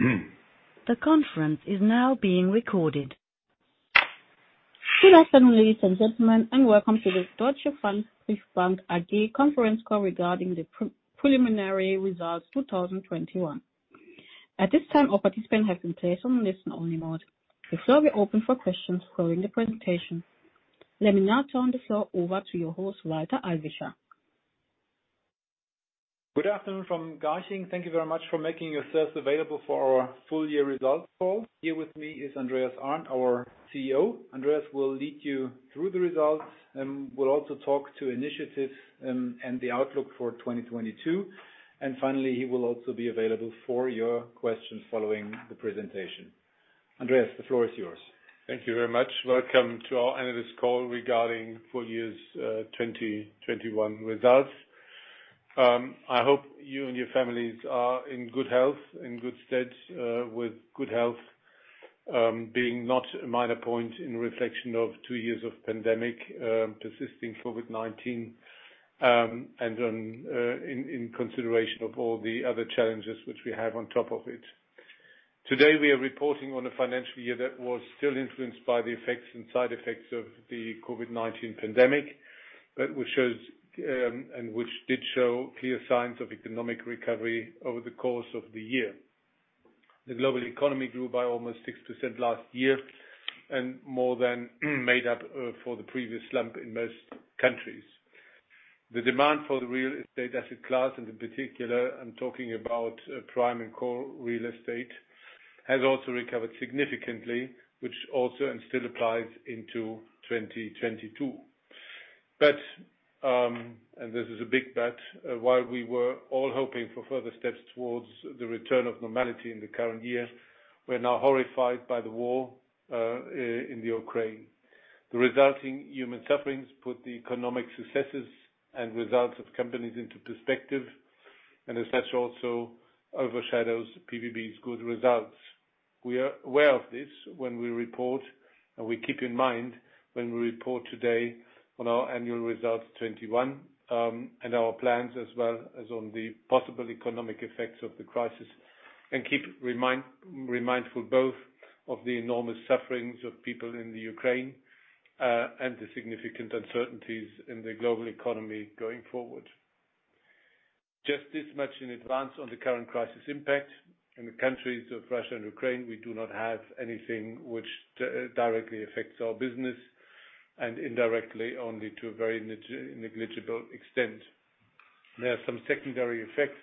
The conference is now being recorded. Good afternoon, ladies and gentlemen, and Welcome to the Deutsche Pfandbriefbank AG Conference Call regarding the Preliminary Results 2021. At this time, all participants have been placed on listen-only mode. The floor will be open for questions following the presentation. Let me now turn the floor over to your host, Walter Allwicher. Good afternoon from Garching. Thank you very much for making yourselves available for our full year results call. Here with me is Andreas Arndt, our CEO. Andreas will lead you through the results and will also talk to initiatives and the outlook for 2022. Finally, he will also be available for your questions following the presentation. Andreas, the floor is yours. Thank you very much. Welcome to our analyst call regarding full year 2021 results. I hope you and your families are in good health, in good stead, with good health, being not a minor point in reflection of two years of pandemic, persisting COVID-19, and then, in consideration of all the other challenges which we have on top of it. Today, we are reporting on a financial year that was still influenced by the effects and side effects of the COVID-19 pandemic, but which shows, and which did show clear signs of economic recovery over the course of the year. The global economy grew by almost 6% last year and more than made up for the previous slump in most countries. The demand for the real estate asset class, and in particular, I'm talking about prime and core real estate, has also recovered significantly, which also and still applies into 2022. This is a big but. While we were all hoping for further steps towards the return of normality in the current year, we're now horrified by the war in the Ukraine. The resulting human sufferings put the economic successes and results of companies into perspective, and as such, also overshadows PBB's good results. We are aware of this when we report, and we keep in mind when we report today on our annual results 2021, and our plans as well as on the possible economic effects of the crisis. Keep mindful both of the enormous sufferings of people in the Ukraine, and the significant uncertainties in the global economy going forward. Just this much in advance on the current crisis impact. In the countries of Russia and Ukraine, we do not have anything which directly affects our business and indirectly only to a very negligible extent. There are some secondary effects,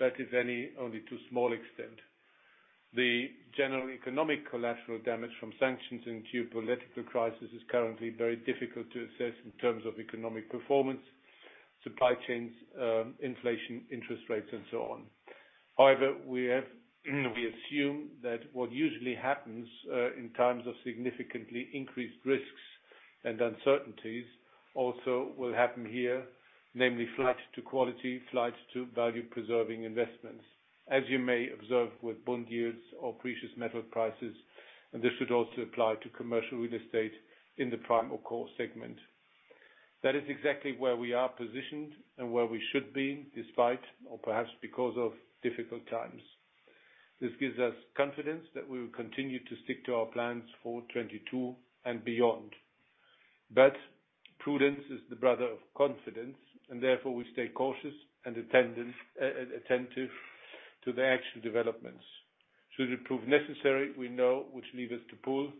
that is any, only to a small extent. The general economic collateral damage from sanctions and geopolitical crisis is currently very difficult to assess in terms of economic performance, supply chains, inflation, interest rates, and so on. However, we assume that what usually happens in times of significantly increased risks and uncertainties also will happen here, namely flight to quality, flight to value-preserving investments, as you may observe with bond yields or precious metal prices, and this should also apply to commercial real estate in the prime or core segment. That is exactly where we are positioned and where we should be, despite or perhaps because of difficult times. This gives us confidence that we will continue to stick to our plans for 2022 and beyond. Prudence is the brother of confidence, and therefore we stay cautious and attentive to the actual developments. Should it prove necessary, we know which levers to pull.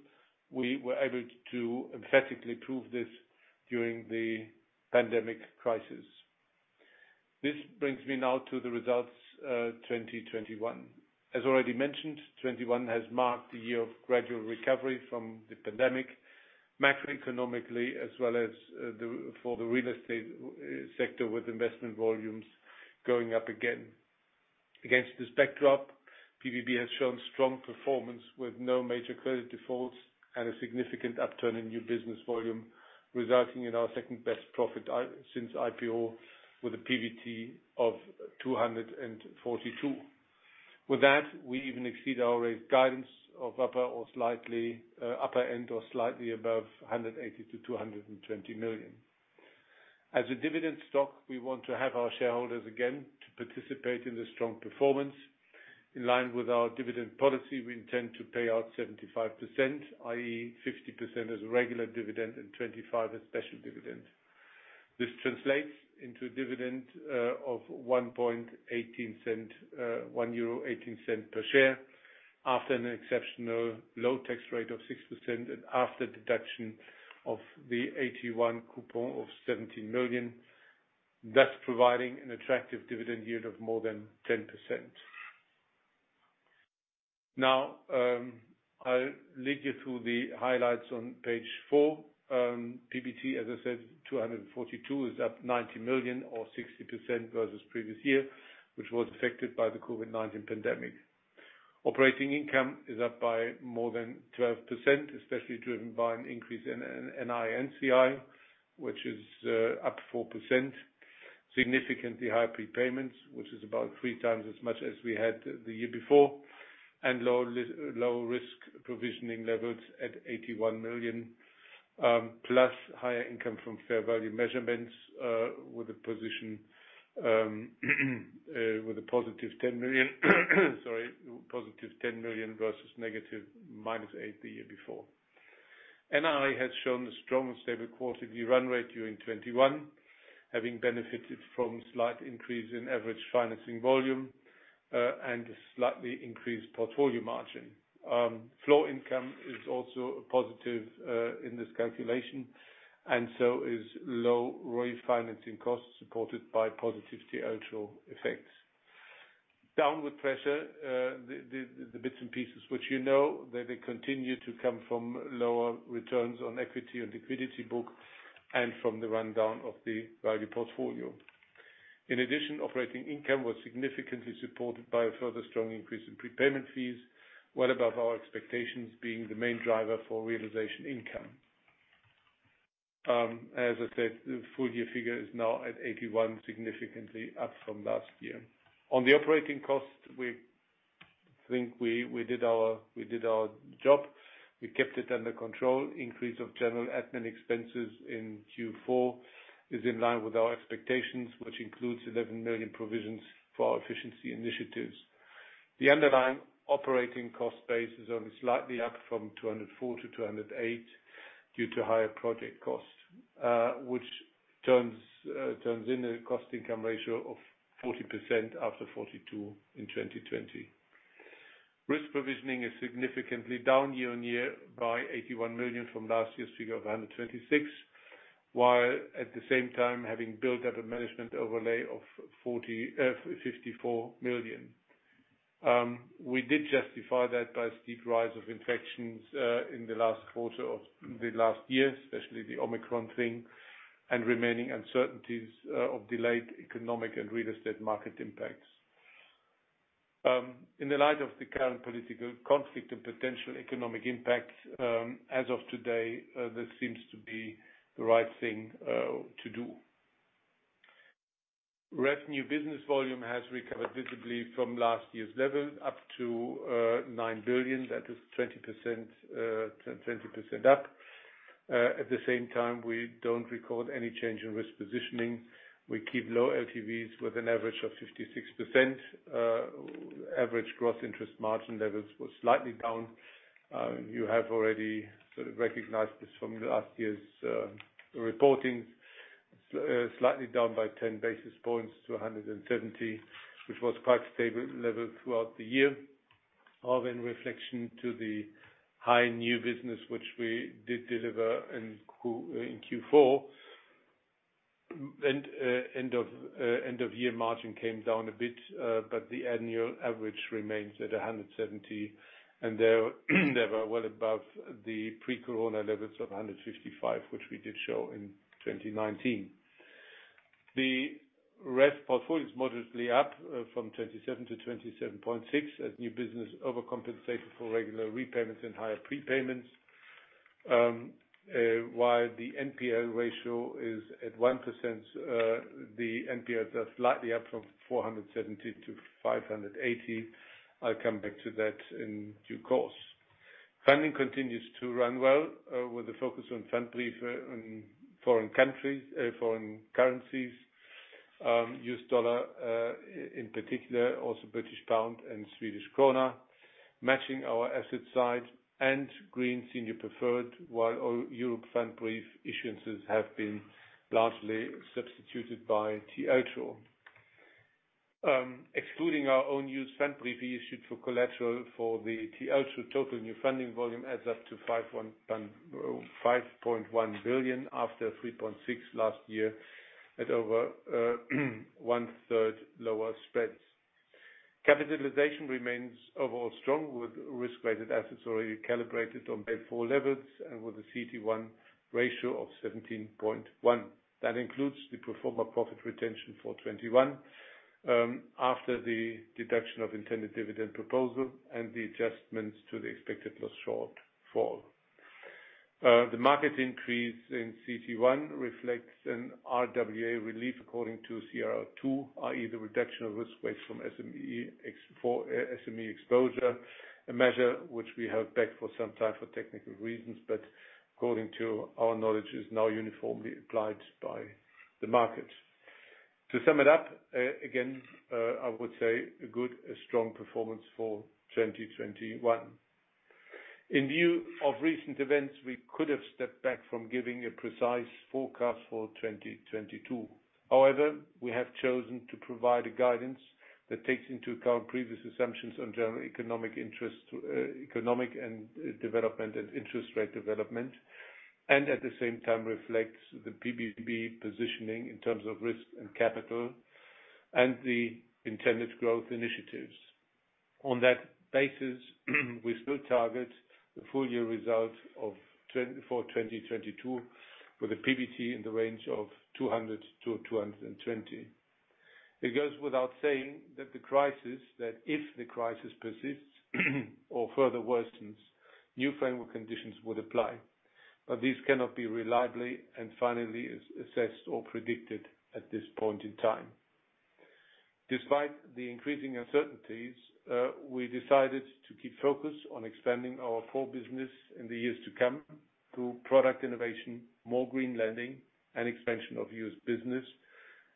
We were able to emphatically prove this during the pandemic crisis. This brings me now to the results, 2021. As already mentioned, 2021 has marked the year of gradual recovery from the pandemic, macro-economically as well as for the real estate sector with investment volumes going up again. Against this backdrop, PBB has shown strong performance with no major credit defaults and a significant upturn in new business volume, resulting in our second-best profit since IPO with a PBT of 242 million. With that, we even exceed our guidance of upper end or slightly above 180 million-220 million. As a dividend stock, we want to have our shareholders again to participate in this strong performance. In line with our dividend policy, we intend to pay out 75%, i.e., 50% as a regular dividend and 25% as special dividend. This translates into a dividend of 1.18 per share after an exceptional low tax rate of 6% and after deduction of the AT1 coupon of 17 million, thus providing an attractive dividend yield of more than 10%. Now, I'll lead you through the highlights on page 4. PBT, as I said, 242, is up 90 million or 60% versus previous year, which was affected by the COVID-19 pandemic. Operating income is up by more than 12%, especially driven by an increase in NII and NCI, which is up 4%. Significantly higher prepayments, which is about three times as much as we had the year before. Low-risk provisioning levels at 81 million, plus higher income from fair value measurements with a positive 10 million versus -8 million the year before. NII has shown a strong and stable quarterly run rate during 2021, having benefited from slight increase in average financing volume and a slightly increased portfolio margin. Floor income is also a positive in this calculation, and so is low-rate financing costs supported by positive TLTRO effects. Downward pressure, the bits and pieces which you know, they continue to come from lower returns on equity and liquidity book and from the rundown of the value portfolio. In addition, operating income was significantly supported by a further strong increase in prepayment fees, well above our expectations being the main driver for realization income. As I said, the full year figure is now at 81 million, significantly up from last year. On the operating cost, we think we did our job. We kept it under control. Increase of general and administrative expenses in Q4 is in line with our expectations, which includes 11 million provisions for our efficiency initiatives. The underlying operating cost base is only slightly up from 204 million to 208 million due to higher project costs, which turns in a cost income ratio of 40% after 42% in 2020. Risk provisioning is significantly down year-on-year by 81 million from last year's figure of 126 million, while at the same time having built up a management overlay of 54 million. We did justify that by a steep rise of infections in the last quarter of the last year, especially the Omicron thing, and remaining uncertainties of delayed economic and real estate market impacts. In the light of the current political conflict and potential economic impact, as of today, this seems to be the right thing to do. New business volume has recovered visibly from last year's level up to 9 billion. That is 20% up. At the same time, we don't record any change in risk provisioning. We keep low LTVs with an average of 56%. Average gross interest margin levels were slightly down. You have already sort of recognized this from last year's reporting. Slightly down by 10 basis points to 170, which was quite stable level throughout the year. Offset by the high new business which we did deliver in Q4. The end of year margin came down a bit, but the annual average remains at 170, and they were well above the pre-COVID levels of 155, which we did show in 2019. The REF portfolio is modestly up from 27 billion to 27.6 billion as new business over compensated for regular repayments and higher prepayments. While the NPL ratio is at 1%, the NPLs are slightly up from 470 million to 580 million. I'll come back to that in due course. Funding continues to run well, with a focus on Pfandbrief in foreign countries, foreign currencies, U.S. dollar in particular, also British pound and Swedish krona, matching our asset side and Green Senior Preferred, while European Pfandbrief issuances have been largely substituted by TLTRO. Excluding our own issued Pfandbrief for collateral for the TLTRO, total new funding volume adds up to 5.1 billion after 3.6 billion last year at over one-third lower spreads. Capitalization remains overall strong with risk-weighted assets already calibrated on Basel IV levels and with a CET1 ratio of 17.1%. That includes the pro forma profit retention for 2021 after the deduction of intended dividend proposal and the adjustments to the expected loss shortfall. The market increase in CET1 reflects an RWA relief according to CRR II, i.e., the reduction of risk weights from SME supporting factor for SME exposure, a measure which we have backed for some time for technical reasons, but according to our knowledge, is now uniformly applied by the market. To sum it up, again, I would say a good strong performance for 2021. In view of recent events, we could have stepped back from giving a precise forecast for 2022. However, we have chosen to provide a guidance that takes into account previous assumptions on general economic and interest rate development, and at the same time reflects the PBB positioning in terms of risk and capital and the intended growth initiatives. On that basis, we still target the full year result of 2022 with a PBT in the range of 200-220. It goes without saying that if the crisis persists or further worsens, new framework conditions would apply. These cannot be reliably and finally assessed or predicted at this point in time. Despite the increasing uncertainties, we decided to keep focus on expanding our core business in the years to come, through product innovation, more green lending and expansion of U.S. business,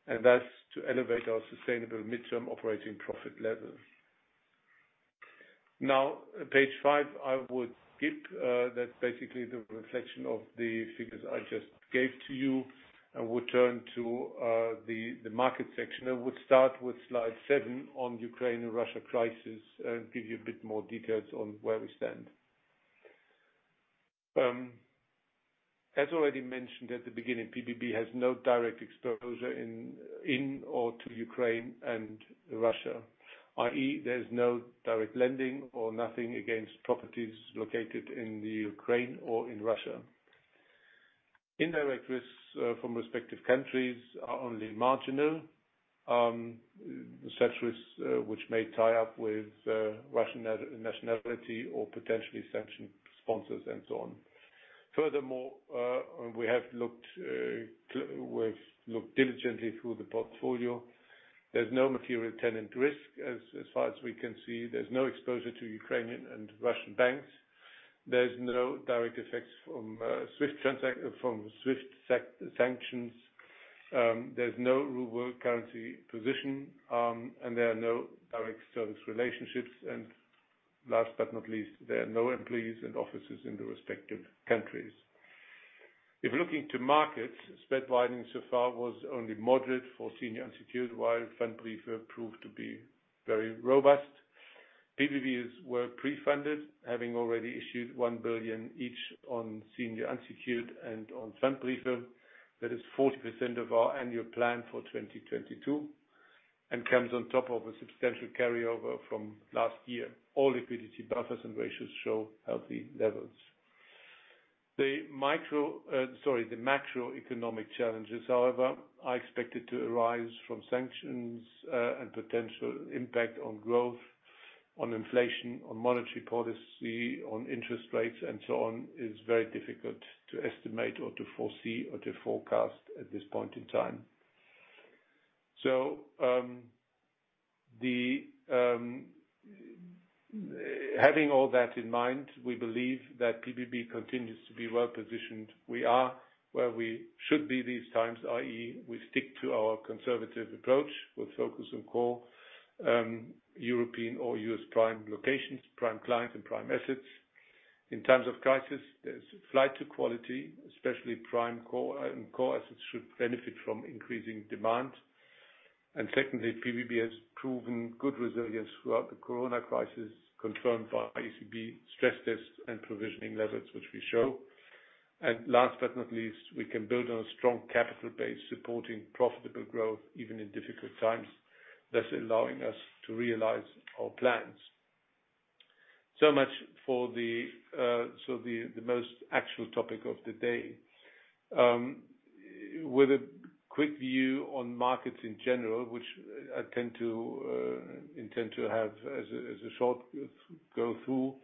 and thus to elevate our sustainable midterm operating profit levels. Now page 5, I would skip, that's basically the reflection of the figures I just gave to you, and we turn to the market section. I would start with slide seven on Ukraine and Russia crisis and give you a bit more details on where we stand. As already mentioned at the beginning, PBB has no direct exposure in or to Ukraine and Russia, i.e. there's no direct lending or nothing against properties located in the Ukraine or in Russia. Indirect risks from respective countries are only marginal, such risk which may tie up with Russian nationality or potentially sanctioned sponsors and so on. Furthermore, we've looked diligently through the portfolio. There's no material tenant risk as far as we can see. There's no exposure to Ukrainian and Russian banks. There's no direct effects from SWIFT sanctions. There's no ruble currency position, and there are no direct service relationships. Last but not least, there are no employees and offices in the respective countries. If looking to markets, spread widening so far was only moderate for senior unsecured, while Pfandbrief proved to be very robust. PBB's were pre-funded, having already issued €1 billion each on senior unsecured and on Pfandbrief. That is 40% of our annual plan for 2022, and comes on top of a substantial carryover from last year. All liquidity buffers and ratios show healthy levels. The macroeconomic challenges, however, are expected to arise from sanctions, and potential impact on growth, on inflation, on monetary policy, on interest rates, and so on, is very difficult to estimate or to foresee or to forecast at this point in time. Having all that in mind, we believe that PBB continues to be well-positioned. We are where we should be these times, i.e. we stick to our conservative approach with focus on core, European or U.S. prime locations, prime clients and prime assets. In times of crisis, there's flight to quality, especially prime core and core assets should benefit from increasing demand. Secondly, PBB has proven good resilience throughout the COVID crisis, confirmed by ECB stress tests and provisioning levels, which we show. Last but not least, we can build on a strong capital base supporting profitable growth even in difficult times, thus allowing us to realize our plans. So much for the most actual topic of the day. With a quick view on markets in general, which I intend to have as a short go through,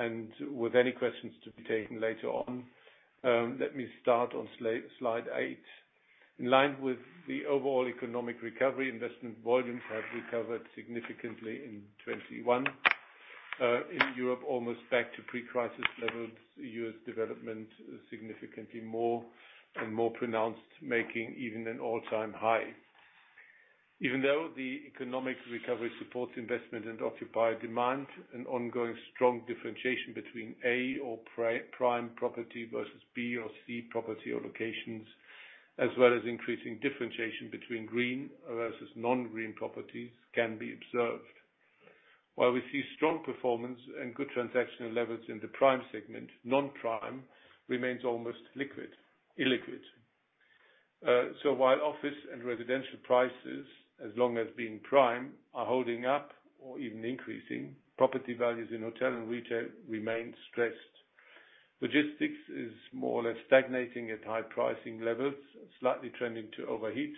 and with any questions to be taken later on, let me start on slide 8. In line with the overall economic recovery, investment volumes have recovered significantly in 2021. In Europe, almost back to pre-crisis levels. U.S. development significantly more and more pronounced, making even an all-time high. Even though the economic recovery supports investment and occupancy demand, an ongoing strong differentiation between A or prime property versus B or C property or locations, as well as increasing differentiation between green versus non-green properties can be observed. While we see strong performance and good transactional levels in the prime segment, non-prime remains almost illiquid. While office and residential prices, as long as being prime, are holding up or even increasing, property values in hotel and retail remain stressed. Logistics is more or less stagnating at high pricing levels, slightly trending to overheat.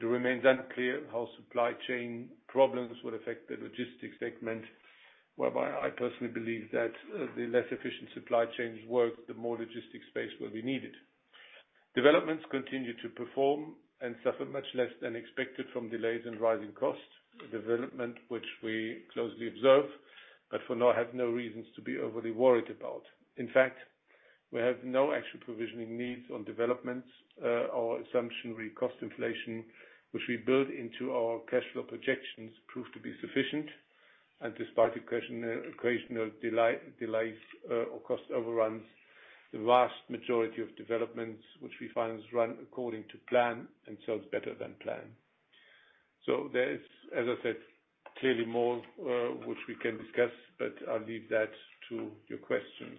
It remains unclear how supply chain problems will affect the logistics segment, whereby I personally believe that the less efficient supply chains work, the more logistics space will be needed. Developments continue to perform and suffer much less than expected from delays and rising costs, a development which we closely observe, but for now have no reasons to be overly worried about. In fact, we have no actual provisioning needs on developments. Our assumption cost inflation, which we build into our cash flow projections, prove to be sufficient. Despite occasional delays or cost overruns, the vast majority of developments, which we find is run according to plan and sells better than planned. There is, as I said, clearly more which we can discuss, but I'll leave that to your questions.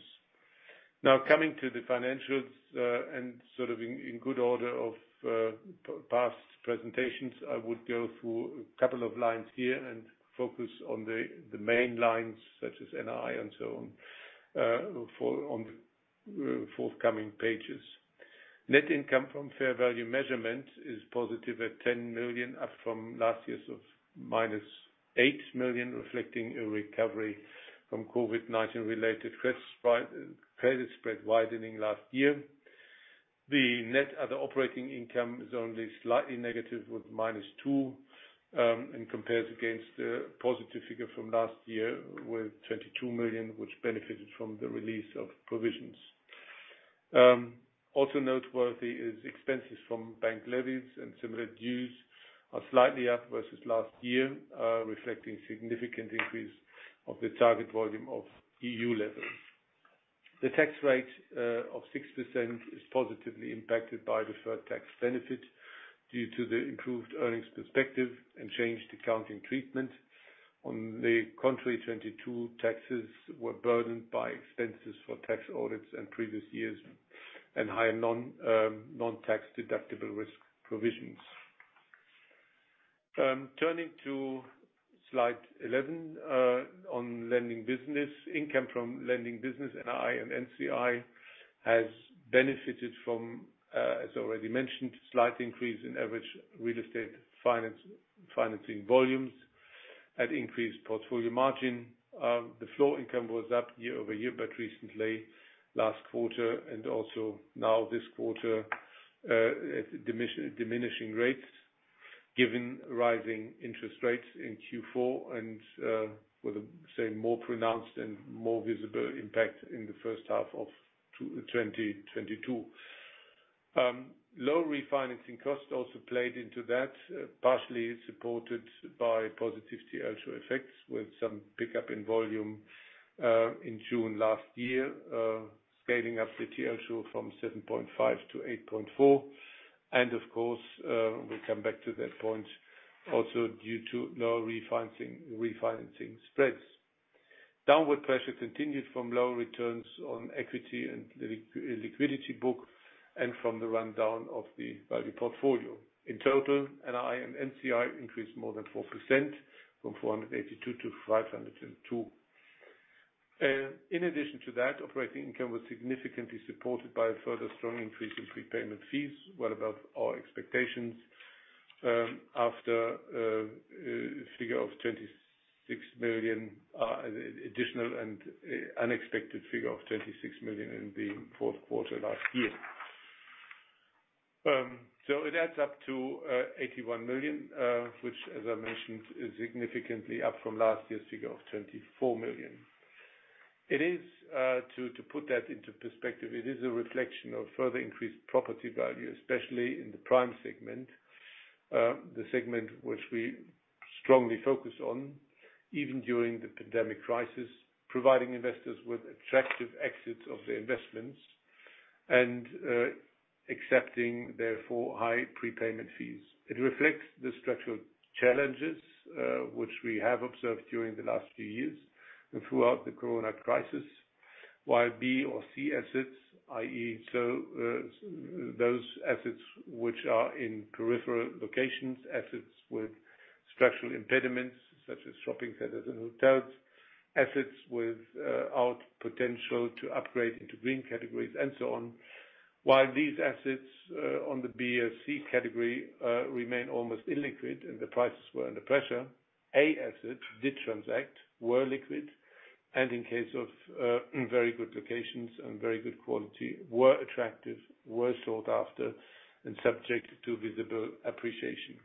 Coming to the financials, and sort of in good order of past presentations, I would go through a couple of lines here and focus on the main lines such as NII and so on, for the forthcoming pages. Net income from fair value measurements is positive at 10 million, up from last year's minus 8 million, reflecting a recovery from COVID-19 related credit spread widening last year. The net other operating income is only slightly negative with -2 million and compares against the positive figure from last year with 22 million, which benefited from the release of provisions. Also noteworthy is expenses from bank levies and similar dues are slightly up versus last year, reflecting significant increase of the target volume of EU levies. The tax rate of 6% is positively impacted by deferred tax benefit due to the improved earnings perspective and changed accounting treatment. On the contrary, 2022 taxes were burdened by expenses for tax audits in previous years and high non-tax deductible risk provisions. Turning to slide 11 on lending business. Income from lending business, NII and NCI has benefited from, as already mentioned, slight increase in average real estate financing volumes at increased portfolio margin. The flow income was up year-over-year, but recently last quarter and also now this quarter at diminishing rates, given rising interest rates in Q4 and with a, say, more pronounced and more visible impact in the first half of 2022. Low refinancing costs also played into that, partially supported by positive TLTRO effects with some pickup in volume in June last year, scaling up the TLTRO from 7.5 to 8.4. Of course, we come back to that point also due to low refinancing spreads. Downward pressure continued from low returns on equity and liquidity book and from the rundown of the value portfolio. In total, NII and NCI increased more than 4% from 482 to 502. In addition to that, operating income was significantly supported by a further strong increase in prepayment fees, well above our expectations, after a figure of 26 million, additional and unexpected figure of 26 million in the fourth quarter last year. It adds up to 81 million, which as I mentioned, is significantly up from last year's figure of 24 million. To put that into perspective, it is a reflection of further increased property value, especially in the prime segment, the segment which we strongly focus on even during the pandemic crisis, providing investors with attractive exits of their investments and accepting therefore high prepayment fees. It reflects the structural challenges which we have observed during the last few years and throughout the corona crisis. While B or C assets, i.e., those assets which are in peripheral locations, assets with structural impediments such as shopping centers and hotels, assets without potential to upgrade into green categories and so on. While these assets in the B or C category remain almost illiquid and the prices were under pressure, A assets did transact, were liquid, and in case of very good locations and very good quality, were attractive, were sought after, and subject to visible appreciation.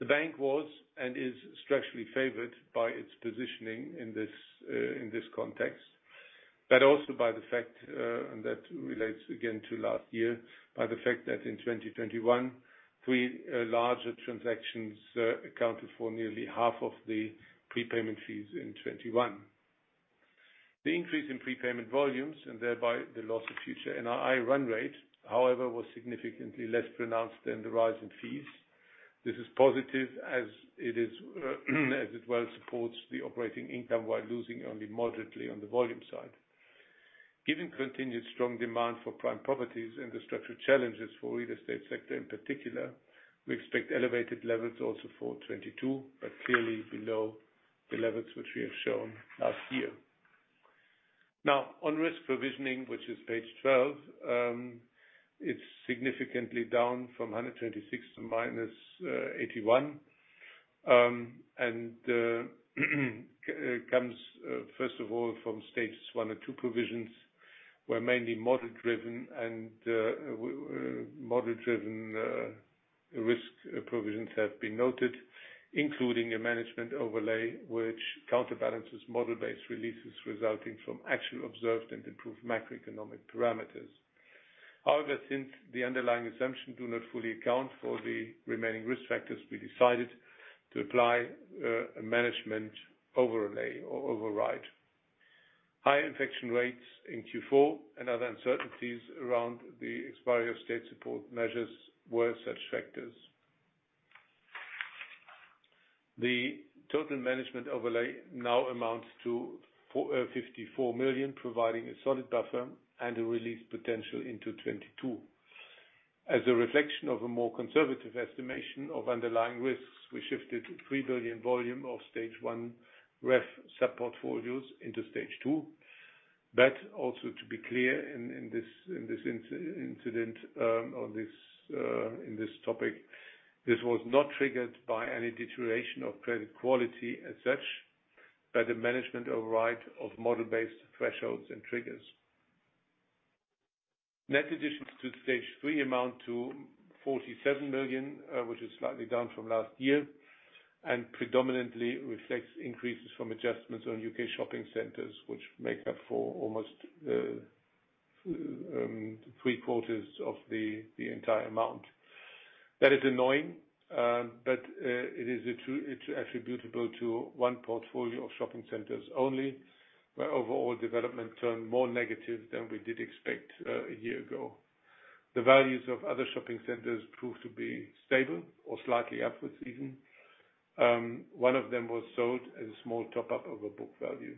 The bank was and is structurally favored by its positioning in this context, but also by the fact, and that relates again to last year, by the fact that in 2021, three larger transactions accounted for nearly half of the prepayment fees in 2021. The increase in prepayment volumes and thereby the loss of future NII run rate, however, was significantly less pronounced than the rise in fees. This is positive as it is, as it well supports the operating income while losing only moderately on the volume side. Given continued strong demand for prime properties and the structural challenges for real estate sector in particular, we expect elevated levels also for 2022, but clearly below the levels which we have shown last year. Now, on risk provisioning, which is page 12, it's significantly down from 126 to -81, and comes first of all from Stage 1 and Stage 2 provisions were mainly model driven, and model driven risk provisions have been noted, including a management overlay which counterbalances model-based releases resulting from actual observed and improved macroeconomic parameters. However, since the underlying assumptions do not fully account for the remaining risk factors, we decided to apply a management overlay or override. High infection rates in Q4 and other uncertainties around the expiry of state support measures were such factors. The total management overlay now amounts to 54 million, providing a solid buffer and a release potential into 2022. As a reflection of a more conservative estimation of underlying risks, we shifted 3 billion volume of Stage 1 REF sub-portfolios into Stage 2. Also to be clear in this instance, on this topic, this was not triggered by any deterioration of credit quality as such, but a management override of model-based thresholds and triggers. Net additions to Stage 3 amount to 47 million, which is slightly down from last year and predominantly reflects increases from adjustments on U.K. shopping centers, which make up almost three quarters of the entire amount. That is annoying, but it is attributable to one portfolio of shopping centers only, where overall development turned more negative than we did expect a year ago. The values of other shopping centers proved to be stable or slightly upwards even. One of them was sold as a small top-up of a book value.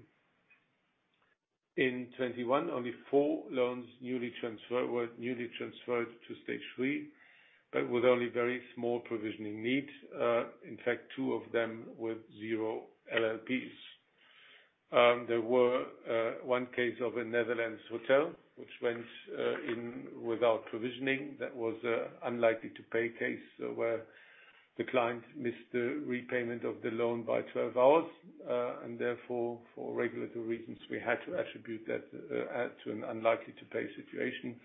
In 2021, only 4 loans were newly transferred to Stage 3, but with only very small provisioning needs. In fact, 2 of them with zero LLPs. There were one case of a Netherlands hotel which went in without provisioning that was unlikely to pay case where the client missed the repayment of the loan by 12 hours. Therefore, for regulatory reasons, we had to attribute that to an unlikely to pay situation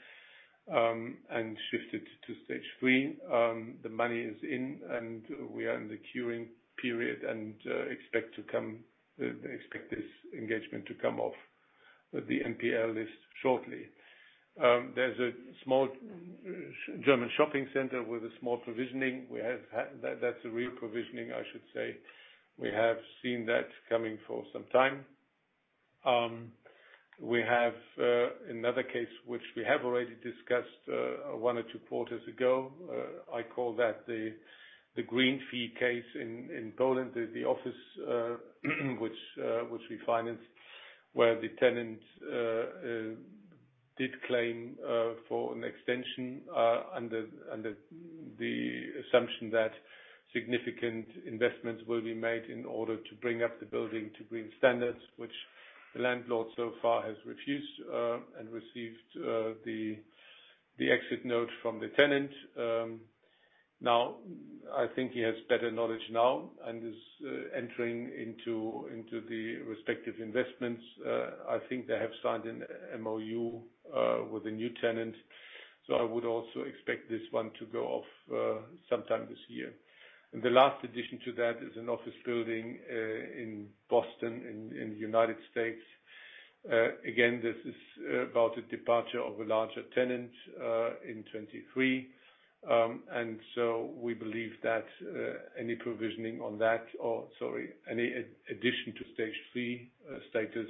and shift it to Stage 3. The money is in and we are in the queuing period and expect this engagement to come off the NPL list shortly. There's a small German shopping center with a small provisioning. That's a re-provisioning, I should say. We have seen that coming for some time. We have another case which we have already discussed one or two quarters ago. I call that the green fee case in Poland. The office which we financed, where the tenant did claim for an extension under the assumption that significant investments will be made in order to bring up the building to green standards, which the landlord so far has refused and received the exit note from the tenant. Now I think he has better knowledge now and is entering into the respective investments. I think they have signed an MoU with a new tenant, so I would also expect this one to go off sometime this year. The last addition to that is an office building in Boston in the United States. Again, this is about the departure of a larger tenant in 2023. We believe that any addition to Stage 3 status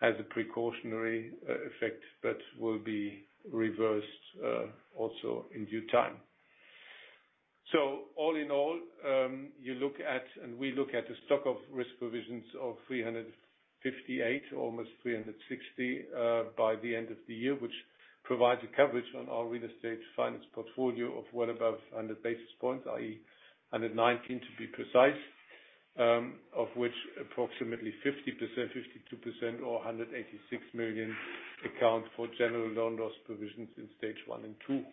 has a precautionary effect that will be reversed also in due time. All in all, you look at and we look at a stock of risk provisions of 358, almost 360, by the end of the year, which provides a coverage on our real estate finance portfolio of well above 100 basis points, i.e., 119 to be precise, of which approximately 50%, 52% or 186 million account for general loan loss provisions in Stage 1 and 2.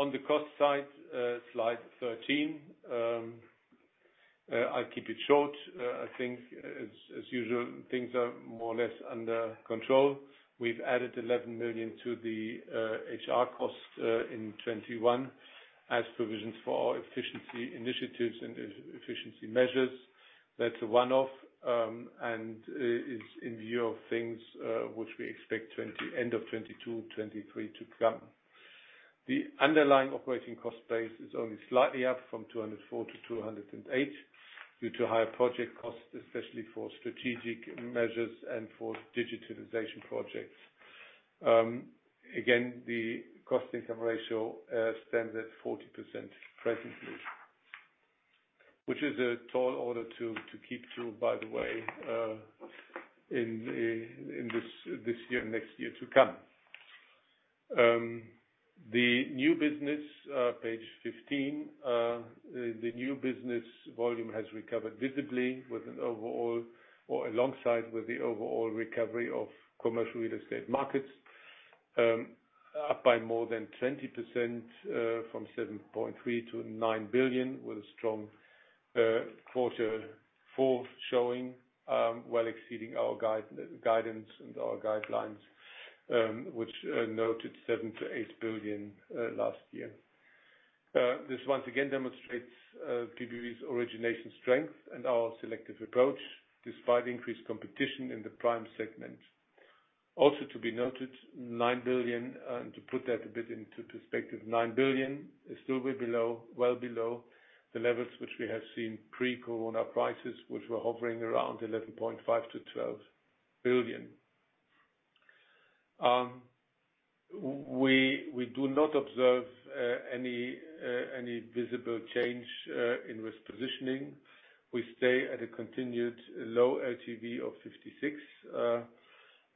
On the cost side, slide 13, I'll keep it short. I think as usual, things are more or less under control. We've added 11 million to the HR costs in 2021 as provisions for our efficiency initiatives and efficiency measures. That's a one-off and is in view of things which we expect end of 2022, 2023 to come. The underlying operating cost base is only slightly up from 204 million to 208 million due to higher project costs, especially for strategic measures and for digitalization projects. Again, the cost income ratio stands at 40% presently, which is a tall order to keep to, by the way, in this year, next year to come. The new business, page 15. The new business volume has recovered visibly with an overall or alongside with the overall recovery of commercial real estate markets, up by more than 20%, from 7.3 billion to 9 billion, with a strong fourth quarter showing, well exceeding our guidance and our guidelines, which noted 7 billion-8 billion last year. This once again demonstrates PBB's origination strength and our selective approach despite increased competition in the prime segment. Also to be noted, 9 billion. To put that a bit into perspective, 9 billion is still way below, well below the levels which we have seen pre-corona prices, which were hovering around 11.5 billion-12 billion. We do not observe any visible change in risk positioning. We stay at a continued low LTV of 56%.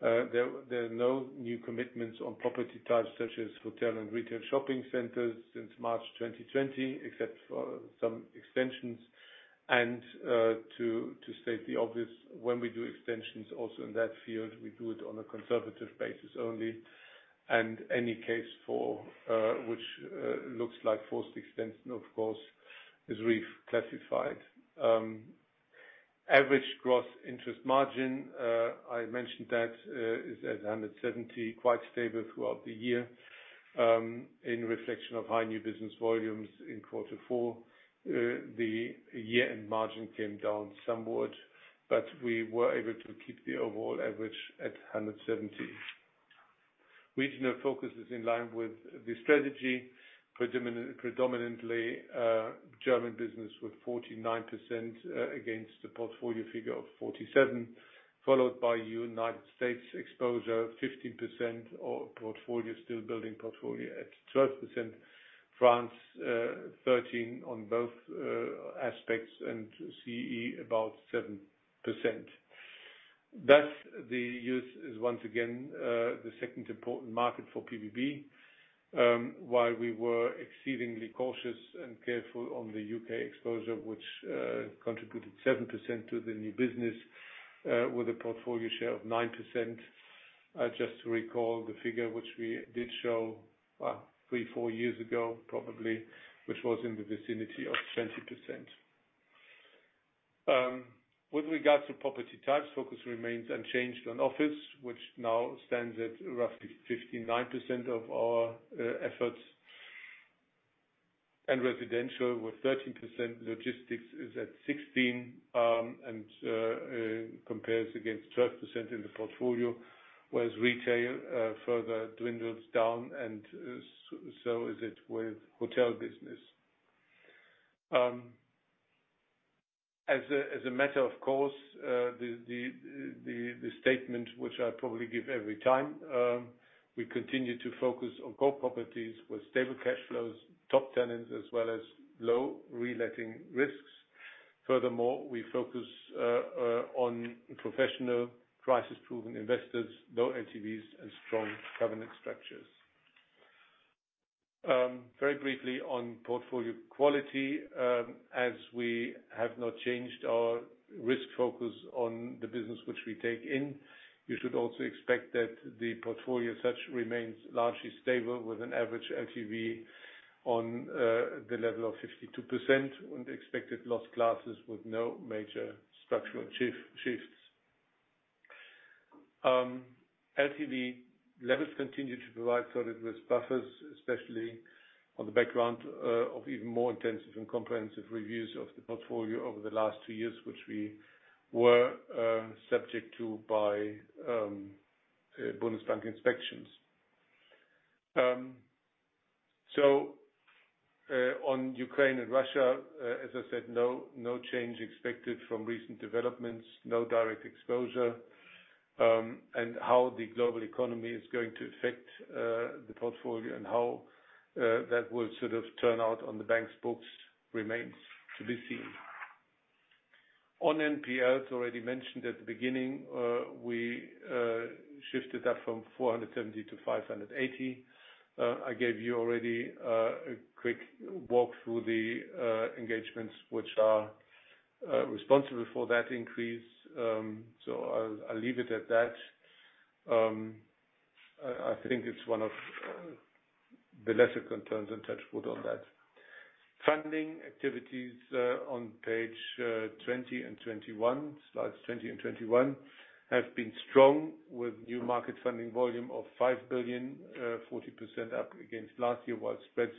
There are no new commitments on property types such as hotel and retail shopping centers since March 2020, except for some extensions. To state the obvious, when we do extensions also in that field, we do it on a conservative basis only. Any case which looks like forced extension, of course, is reclassified. Average gross interest margin I mentioned that is at 170, quite stable throughout the year. In reflection of high new business volumes in quarter four, the year-end margin came down somewhat, but we were able to keep the overall average at 170. Regional focus is in line with the strategy. Predominantly German business with 49% against the portfolio figure of 47. Followed by U.S. exposure of 15% of portfolio, still building portfolio at 12%. France 13% on both aspects, and CEE about 7%. Thus the U.S. is once again the second important market for PBB. While we were exceedingly cautious and careful on the U.K. exposure, which contributed 7% to the new business with a portfolio share of 9%. Just to recall the figure which we did show 3-4 years ago, probably, which was in the vicinity of 20%. With regards to property types, focus remains unchanged on office, which now stands at roughly 59% of our efforts. Residential with 13%, logistics is at 16% and compares against 12% in the portfolio. Whereas retail further dwindles down and so is it with hotel business. As a matter of course, the statement which I probably give every time, we continue to focus on core properties with stable cash flows, top tenants, as well as low re-letting risks. Furthermore, we focus on professional crisis-proven investors, low LTVs and strong covenant structures. Very briefly on portfolio quality. As we have not changed our risk focus on the business which we take in, you should also expect that the portfolio as such remains largely stable with an average LTV on the level of 52% and expected loss classes with no major structural shift. LTV levels continue to provide solid risk buffers, especially on the background of even more intensive and comprehensive reviews of the portfolio over the last two years, which we were subject to by Bundesbank inspections. On Ukraine and Russia, as I said, no change expected from recent developments, no direct exposure. How the global economy is going to affect the portfolio and how that will sort of turn out on the bank's books remains to be seen. On NPLs already mentioned at the beginning, we shifted that from 470 to 580. I gave you already a quick walk through the engagements which are responsible for that increase. I'll leave it at that. I think it's one of the lesser concerns and touch wood on that. Funding activities on page 20 and 21, slides 20 and 21, have been strong with new market funding volume of 5 billion, 40% up against last year. While spreads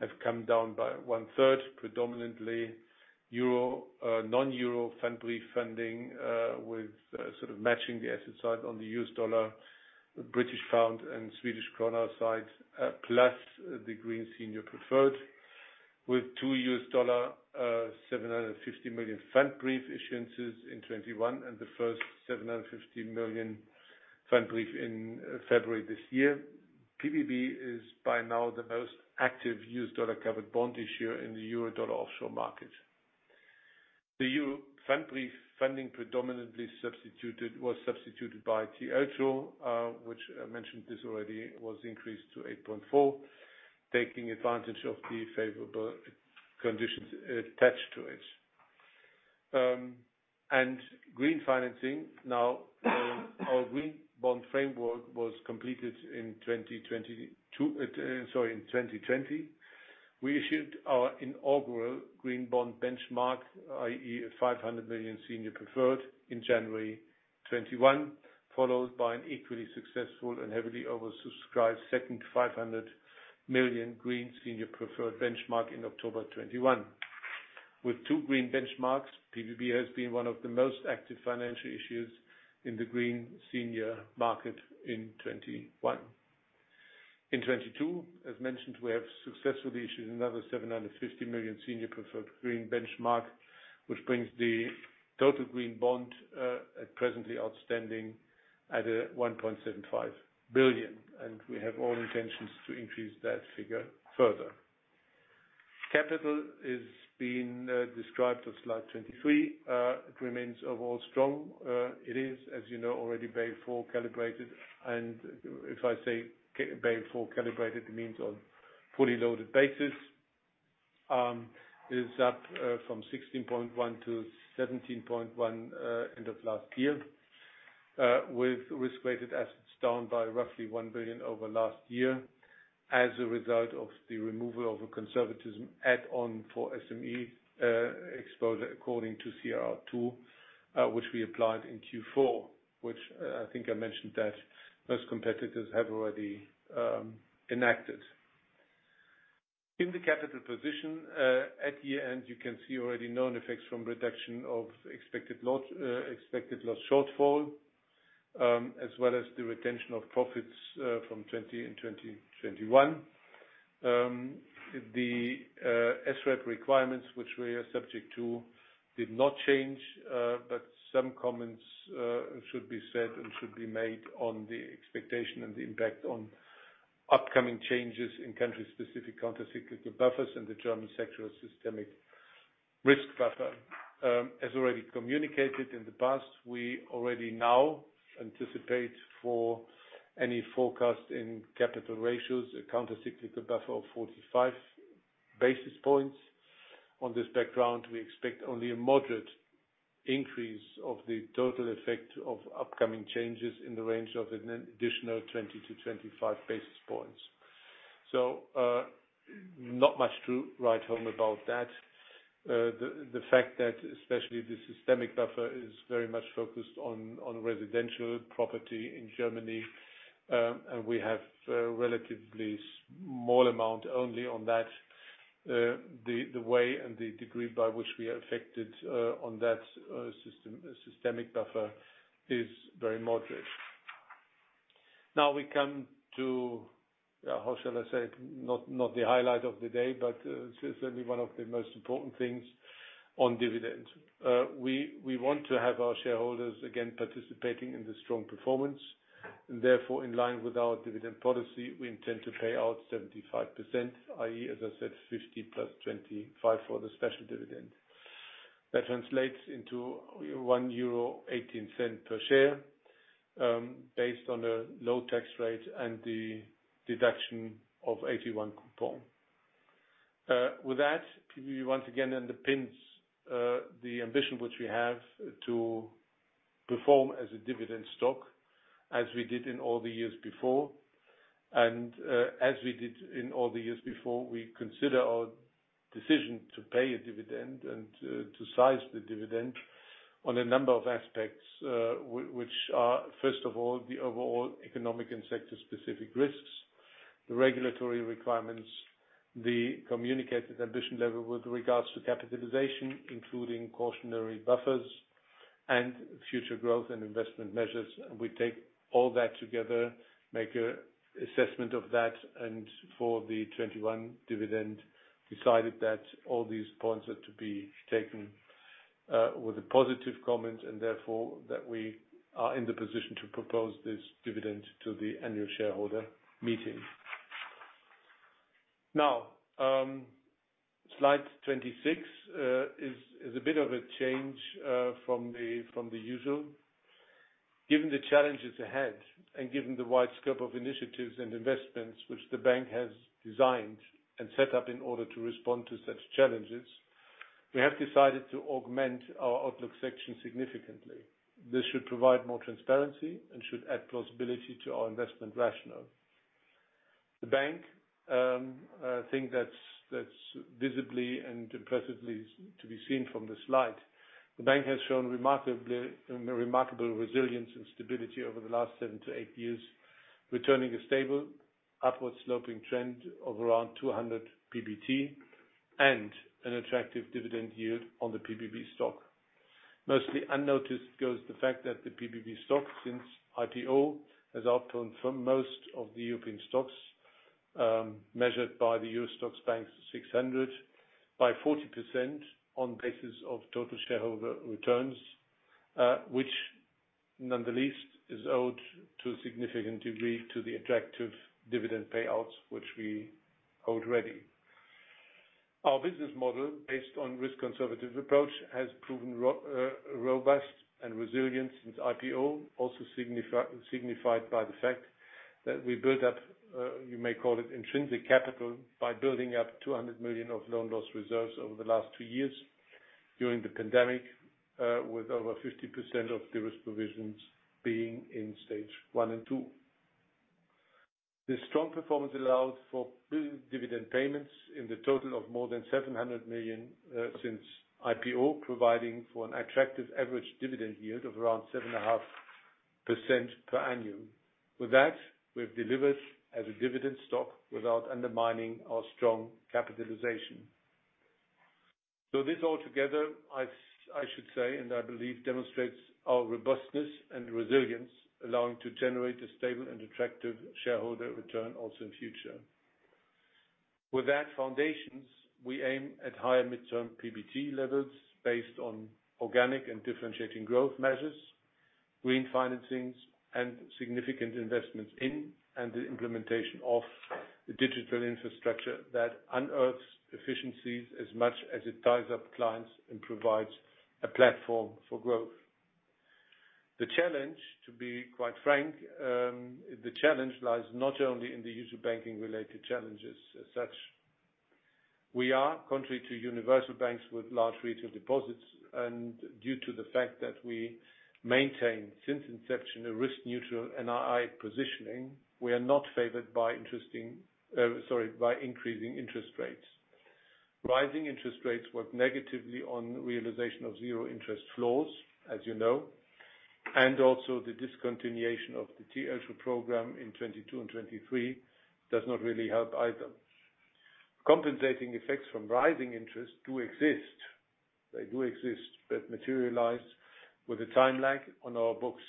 have come down by one-third, predominantly non-euro Pfandbrief funding, with sort of matching the asset side on the U.S. dollar, British pound and Swedish krona side, plus the green senior preferred. With two $750 million Pfandbrief issuances in 2021 and the first $750 million Pfandbrief in February this year. PBB is by now the most active U.S. dollar covered bond issuer in the Eurodollar offshore market. The EURO Pfandbrief funding predominantly was substituted by TLTRO, which I mentioned already, was increased to 8.4, taking advantage of the favorable conditions attached to it. And green financing. Now, our green bond framework was completed in 2020. We issued our inaugural green bond benchmark, i.e., 500 million senior preferred in January 2021, followed by an equally successful and heavily oversubscribed second 500 million green senior preferred benchmark in October 2021. With two green benchmarks, PBB has been one of the most active financial issuers in the green senior market in 2021. In 2022, as mentioned, we have successfully issued another 750 million senior preferred green benchmark, which brings the total green bond at presently outstanding at 1.75 billion, and we have all intentions to increase that figure further. Capital is being described as slide 23. It remains overall strong. It is, as you know, already Basel IV calibrated, and if I say CET1-Basel IV calibrated, it means on fully loaded basis. It is up from 16.1% to 17.1% end of last year, with risk-weighted assets down by roughly 1 billion over last year as a result of the removal of a conservatism add-on for SME exposure according to CRR II, which we applied in Q4, which I think I mentioned that most competitors have already enacted. In the capital position at year-end, you can see already known effects from reduction of expected loss shortfall, as well as the retention of profits from 2020 and 2021. The SREP requirements which we are subject to did not change, but some comments should be said and should be made on the expectation and the impact on upcoming changes in country-specific counter-cyclical buffers and the German sectoral systemic risk buffer. As already communicated in the past, we already now anticipate for any forecast in capital ratios, a counter-cyclical capital buffer of 45 basis points. On this background, we expect only a moderate increase of the total effect of upcoming changes in the range of an additional 20-25 basis points. Not much to write home about that. The fact that especially the systemic risk buffer is very much focused on residential property in Germany, and we have a relatively small amount only on that, the way and the degree by which we are affected, on that, systemic risk buffer is very moderate. Now we come to, how shall I say it? Not the highlight of the day, but certainly one of the most important things on dividend. We want to have our shareholders again participating in the strong performance and therefore in line with our dividend policy, we intend to pay out 75%, i.e. as I said, 50 + 25 for the special dividend. That translates into €1.18 per share, based on a low tax rate and the deduction of AT1 coupon. With that, PBB once again underpins the ambition which we have to perform as a dividend stock as we did in all the years before. As we did in all the years before, we consider our decision to pay a dividend and to size the dividend on a number of aspects, which are, first of all, the overall economic and sector-specific risks, the regulatory requirements, the communicated ambition level with regards to capitalization, including cautionary buffers and future growth and investment measures. We take all that together, make an assessment of that, and for the 2021 dividend, decided that all these points are to be taken with a positive comment and therefore that we are in the position to propose this dividend to the annual shareholder meeting. Now, slide 26 is a bit of a change from the usual. Given the challenges ahead, given the wide scope of initiatives and investments which the bank has designed and set up in order to respond to such challenges, we have decided to augment our outlook section significantly. This should provide more transparency and should add plausibility to our investment rationale. The bank, a thing that's visibly and impressively to be seen from the slide. The bank has shown remarkable resilience and stability over the last 7-8 years, returning a stable upward sloping trend of around 200 PBT and an attractive dividend yield on the pbb stock. Mostly unnoticed goes the fact that the PBB stock since IPO has outperformed most of the European stocks, measured by the STOXX Europe 600 Banks by 40% on basis of total shareholder returns, which nonetheless is owed to a significant degree to the attractive dividend payouts which we hold ready. Our business model, based on risk conservative approach, has proven robust and resilient since IPO, also signified by the fact that we built up, you may call it intrinsic capital by building up 200 million of loan loss reserves over the last two years during the pandemic, with over 50% of the risk provisions being in Stage 1 and 2. This strong performance allows for building dividend payments in the total of more than 700 million, since IPO, providing for an attractive average dividend yield of around 7.5% per annum. With that, we've delivered as a dividend stock without undermining our strong capitalization. This all together, and I believe, demonstrates our robustness and resilience, allowing to generate a stable and attractive shareholder return also in future. With that foundations, we aim at higher midterm PBT levels based on organic and differentiating growth measures. Green financings and significant investments in and the implementation of the digital infrastructure that unearths efficiencies as much as it ties up clients and provides a platform for growth. The challenge, to be quite frank, lies not only in the usual banking-related challenges as such. We are contrary to universal banks with large retail deposits, and due to the fact that we maintain, since inception, a risk-neutral NII positioning, we are not favored by increasing interest rates. Rising interest rates work negatively on realization of zero interest flows, as you know, and also the discontinuation of the TLTRO program in 2022 and 2023 does not really help either. Compensating effects from rising interest do exist. They do exist, but materialize with a time lag on our books,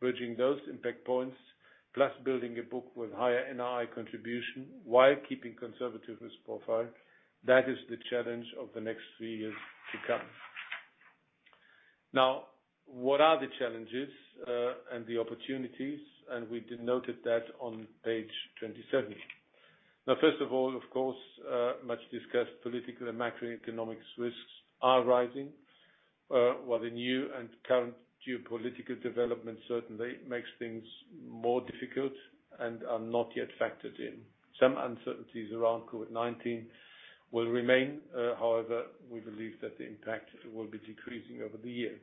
bridging those impact points, plus building a book with higher NII contribution while keeping conservative risk profile. That is the challenge of the next three years to come. Now, what are the challenges and the opportunities? We denoted that on page 27. Now, first of all, of course, much-discussed political and macroeconomic risks are rising, while the new and current geopolitical development certainly makes things more difficult and are not yet factored in. Some uncertainties around COVID-19 will remain, however, we believe that the impact will be decreasing over the year.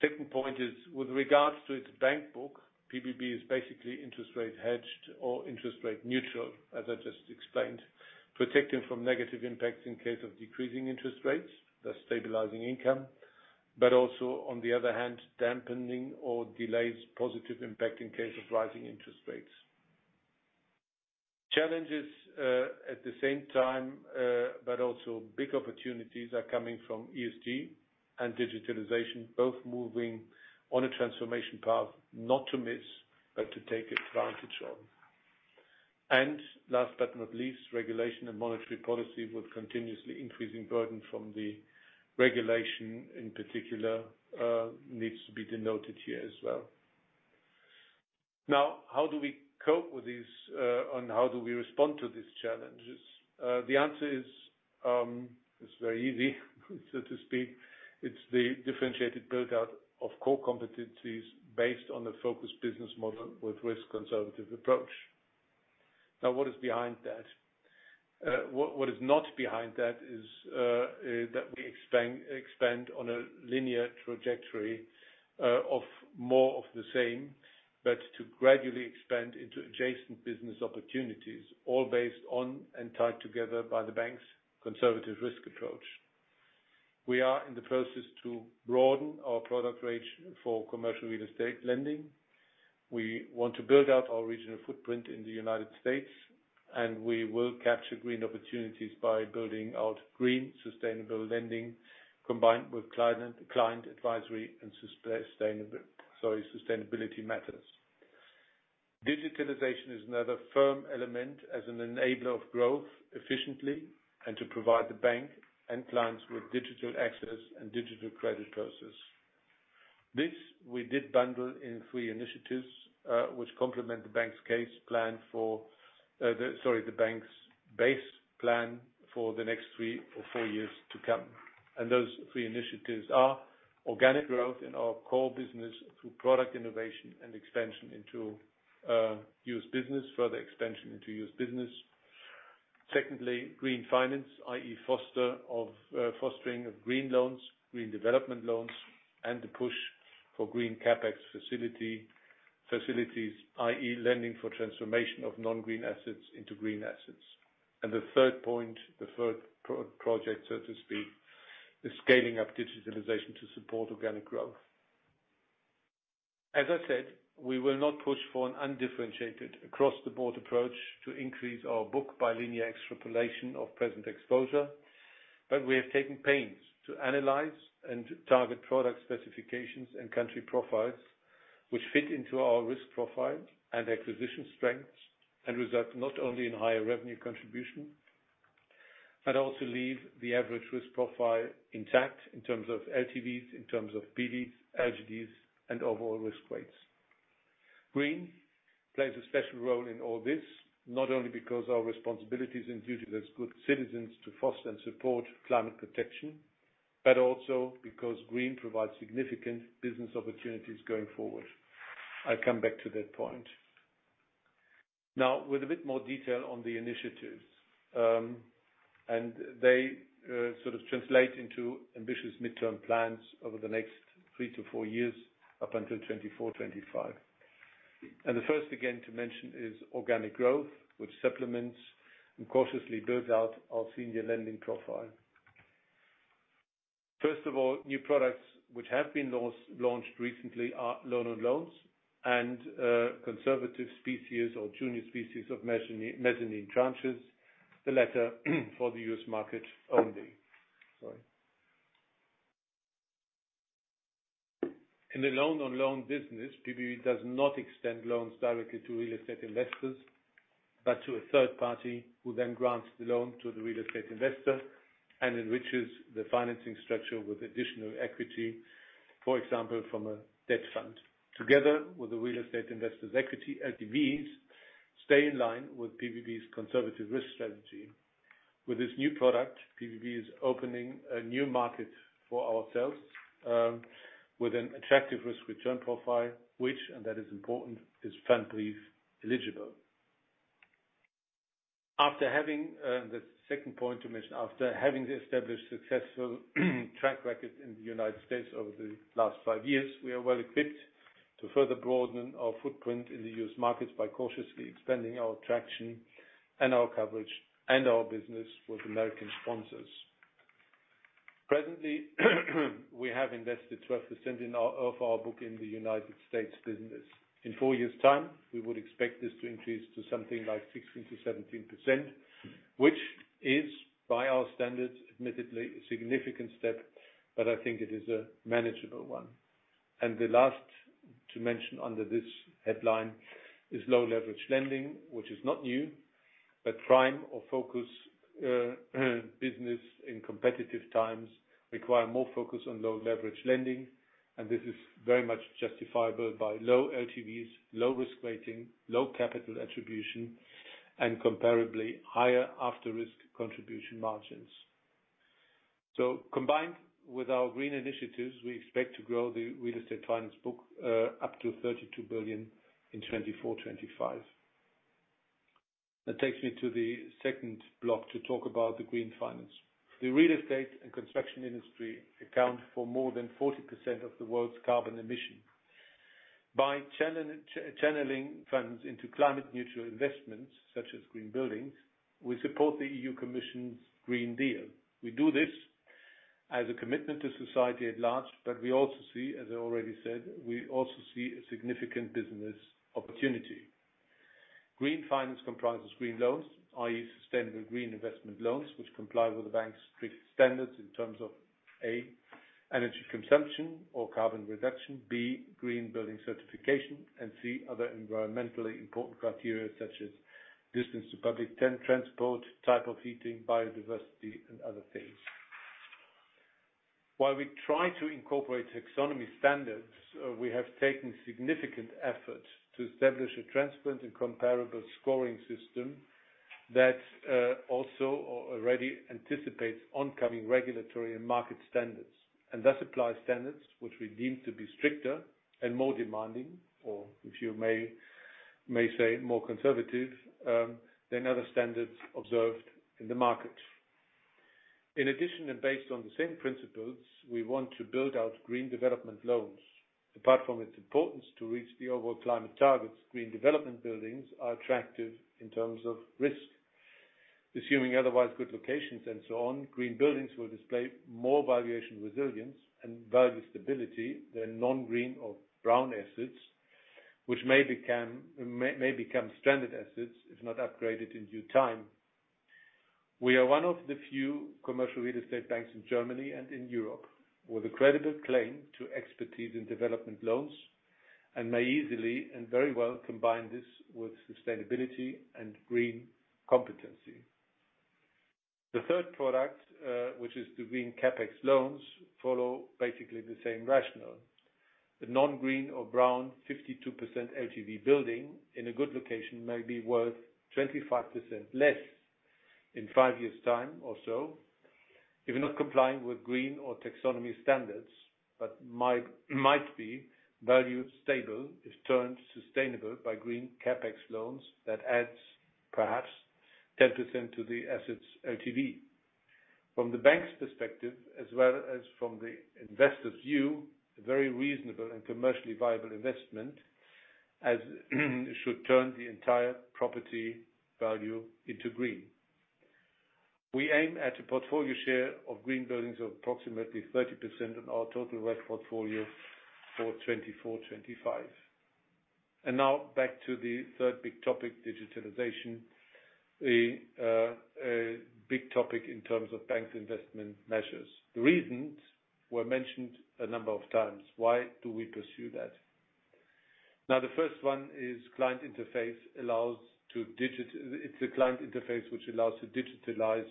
Second point is, with regards to its bank book, PBB is basically interest rate hedged or interest rate neutral, as I just explained, protecting from negative impacts in case of decreasing interest rates, thus stabilizing income, but also, on the other hand, dampening or delays positive impact in case of rising interest rates. Challenges, at the same time, but also big opportunities are coming from ESG and digitalization, both moving on a transformation path, not to miss, but to take advantage on. Last but not least, regulation and monetary policy, with continuously increasing burden from the regulation in particular, needs to be denoted here as well. Now, how do we cope with these, and how do we respond to these challenges? The answer is very easy, so to speak. It's the differentiated build-out of core competencies based on the focused business model with risk-conservative approach. Now, what is behind that? What is not behind that is that we expand on a linear trajectory of more of the same, but to gradually expand into adjacent business opportunities, all based on and tied together by the bank's conservative risk approach. We are in the process to broaden our product range for commercial real estate lending. We want to build out our regional footprint in the United States, and we will capture green opportunities by building out green sustainable lending combined with client advisory and sustainable, sorry, sustainability matters. Digitalization is another firm element as an enabler of growth efficiently and to provide the bank and clients with digital access and digital credit process. This we did bundle in three initiatives, which complement the bank's base plan for the next three or four years to come. Those three initiatives are organic growth in our core business through product innovation and expansion into U.S. business. Secondly, green finance, i.e., fostering of green loans, green development loans, and the push for green CapEx facilities, i.e., lending for transformation of non-green assets into green assets. The third point, the third project, so to speak, the scaling of digitalization to support organic growth. As I said, we will not push for an undifferentiated across-the-board approach to increase our book by linear extrapolation of present exposure, but we have taken pains to analyze and target product specifications and country profiles which fit into our risk profile and acquisition strengths and result not only in higher revenue contribution, but also leave the average risk profile intact in terms of LTVs, in terms of PDs, LGDs, and overall risk weights. Green plays a special role in all this, not only because our responsibilities and duty as good citizens to foster and support climate protection, but also because green provides significant business opportunities going forward. I come back to that point. Now, with a bit more detail on the initiatives, and they sort of translate into ambitious midterm plans over the next three to four years up until '24, '25. The first, again, to mention is organic growth, which supplements and cautiously builds out our senior lending profile. First of all, new products which have been launched recently are loan on loans and conservative slices or junior slices of mezzanine tranches, the latter for the U.S. market only. Sorry. In the loan-on-loan business, PBB does not extend loans directly to real estate investors. To a third party who then grants the loan to the real estate investor and enriches the financing structure with additional equity, for example, from a debt fund. Together with the real estate investor's equity, LTVs stay in line with PBB's conservative risk strategy. With this new product, PBB is opening a new market for ourselves, with an attractive risk-return profile, which, and that is important, is Pfandbrief eligible. After having the second point to mention, after having established successful track record in the United States over the last five years, we are well equipped to further broaden our footprint in the U.S. market by cautiously expanding our traction and our coverage and our business with American sponsors. Presently, we have invested 12% of our book in the United States business. In four years' time, we would expect this to increase to something like 16%-17%, which is, by our standards, admittedly a significant step, but I think it is a manageable one. The last to mention under this headline is low-leverage lending, which is not new. Prime or focus business in competitive times requires more focus on low-leverage lending, and this is very much justifiable by low LTVs, low-risk rating, low capital attribution, and comparably higher after risk contribution margins. Combined with our green initiatives, we expect to grow the real estate finance book up to 32 billion in 2024, 2025. That takes me to the second block to talk about the green finance. The real estate and construction industry accounts for more than 40% of the world's carbon emissions. By channeling funds into climate-neutral investments, such as green buildings, we support the European Commission's Green Deal. We do this as a commitment to society at large, but we also see, as I already said, a significant business opportunity. Green finance comprises green loans, i.e., sustainable green investment loans, which comply with the bank's strict standards in terms of, A, energy consumption or carbon reduction, B, green building certification, and C, other environmentally important criteria such as distance to public transport, type of heating, biodiversity, and other things. While we try to incorporate taxonomy standards, we have taken significant effort to establish a transparent and comparable scoring system that also already anticipates oncoming regulatory and market standards. Thus applies standards which we deem to be stricter and more demanding, or if you may say, more conservative than other standards observed in the market. In addition, based on the same principles, we want to build out green development loans. Apart from its importance to reach the overall climate targets, green development buildings are attractive in terms of risk. Assuming otherwise good locations and so on, green buildings will display more valuation resilience and value stability than non-green or brown assets, which may become stranded assets if not upgraded in due time. We are one of the few commercial real estate banks in Germany and in Europe with a credible claim to expertise in development loans and may easily and very well combine this with sustainability and green competency. The third product, which is the green CapEx loans, follow basically the same rationale. The non-green or brown 52% LTV building in a good location may be worth 25% less in five years' time or so if not complying with green or taxonomy standards, but might be value-stable if turned sustainable by green CapEx loans that adds perhaps 10% to the assets LTV. From the bank's perspective, as well as from the investor's view, a very reasonable and commercially viable investment that should turn the entire property value into green. We aim at a portfolio share of green buildings of approximately 30% in our total REF portfolio for 2024, 2025. Now back to the third big topic, digitalization. A big topic in terms of bank investment measures. The reasons were mentioned a number of times. Why do we pursue that? Now, the first one is client interface allows to digit... It's a client interface which allows to digitalize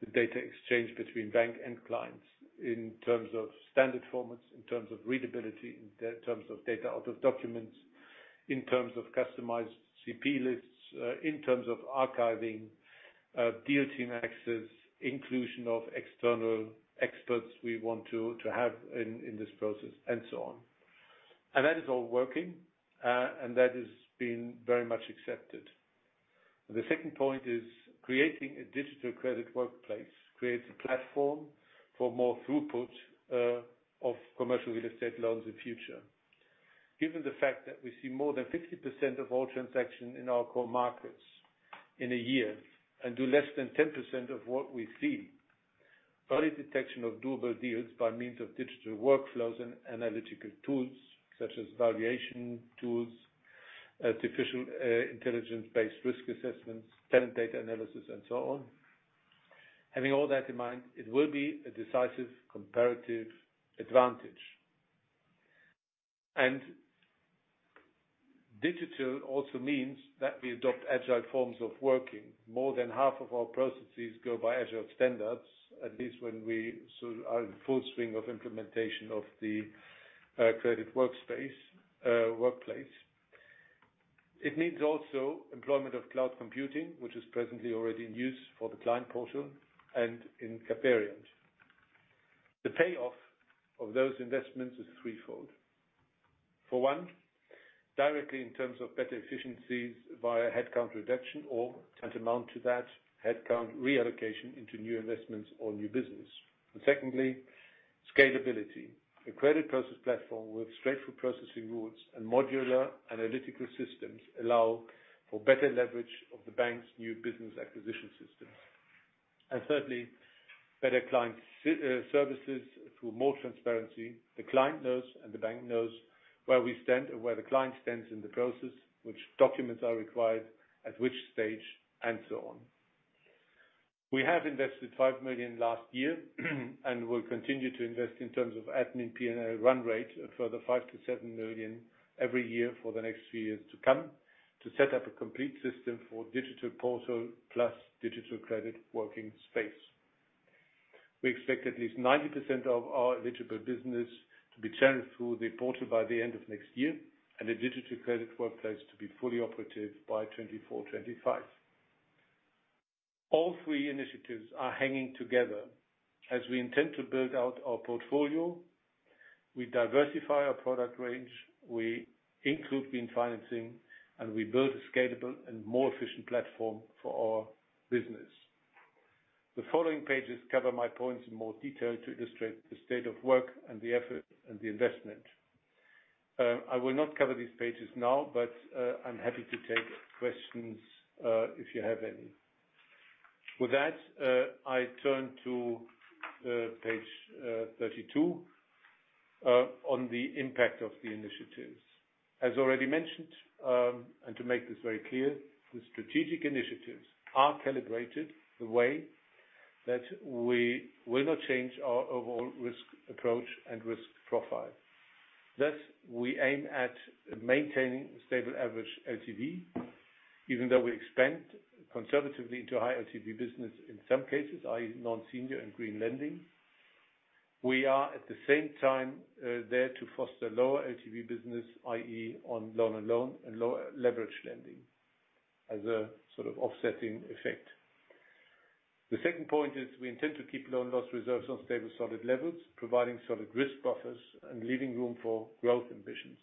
the data exchange between bank and clients in terms of standard formats, in terms of readability, in terms of data out of documents, in terms of customized CP lists, in terms of archiving, deal team access, inclusion of external experts we want to have in this process, and so on. That is all working, and that has been very much accepted. The second point is creating a digital credit workplace creates a platform for more throughput of commercial real estate loans in future. Given the fact that we see more than 50% of all transactions in our core markets in a year and do less than 10% of what we see, early detection of doable deals by means of digital workflows and analytical tools such as valuation tools, artificial intelligence-based risk assessments, tenant data analysis, and so on. Having all that in mind, it will be a decisive comparative advantage. Digital also means that we adopt agile forms of working. More than half of our processes go by agile standards, at least when we sort of are in full swing of implementation of the credit workplace. It means also employment of cloud computing, which is presently already in use for the client portal and in CAPVERIANT. The payoff of those investments is threefold. For one, directly in terms of better efficiencies via headcount reduction or tantamount to that, headcount reallocation into new investments or new business. Secondly, scalability. A credit process platform with straightforward processing rules and modular analytical systems allow for better leverage of the bank's new business acquisition systems. Thirdly, better client services through more transparency. The client knows and the bank knows where we stand and where the client stands in the process, which documents are required at which stage, and so on. We have invested 5 million last year, and will continue to invest in terms of admin P&A run rate a further 5 million-7 million every year for the next few years to come, to set up a complete system for digital portal plus digital credit working space. We expect at least 90% of our eligible business to be channeled through the portal by the end of next year, and a digital credit workplace to be fully operative by '24, '25. All three initiatives are hanging together. As we intend to build out our portfolio, we diversify our product range, we include green financing, and we build a scalable and more efficient platform for our business. The following pages cover my points in more detail to illustrate the state of work and the effort and the investment. I will not cover these pages now, but I'm happy to take questions, if you have any. With that, I turn to page 32 on the impact of the initiatives. As already mentioned, and to make this very clear, the strategic initiatives are calibrated the way that we will not change our overall risk approach and risk profile. Thus, we aim at maintaining a stable average LTV, even though we expand conservatively into high LTV business in some cases, i.e., non-senior and green lending. We are, at the same time, there to foster lower LTV business, i.e., loan on loan and lower leverage lending as a sort of offsetting effect. The second point is we intend to keep loan loss reserves on stable, solid levels, providing solid risk buffers and leaving room for growth ambitions.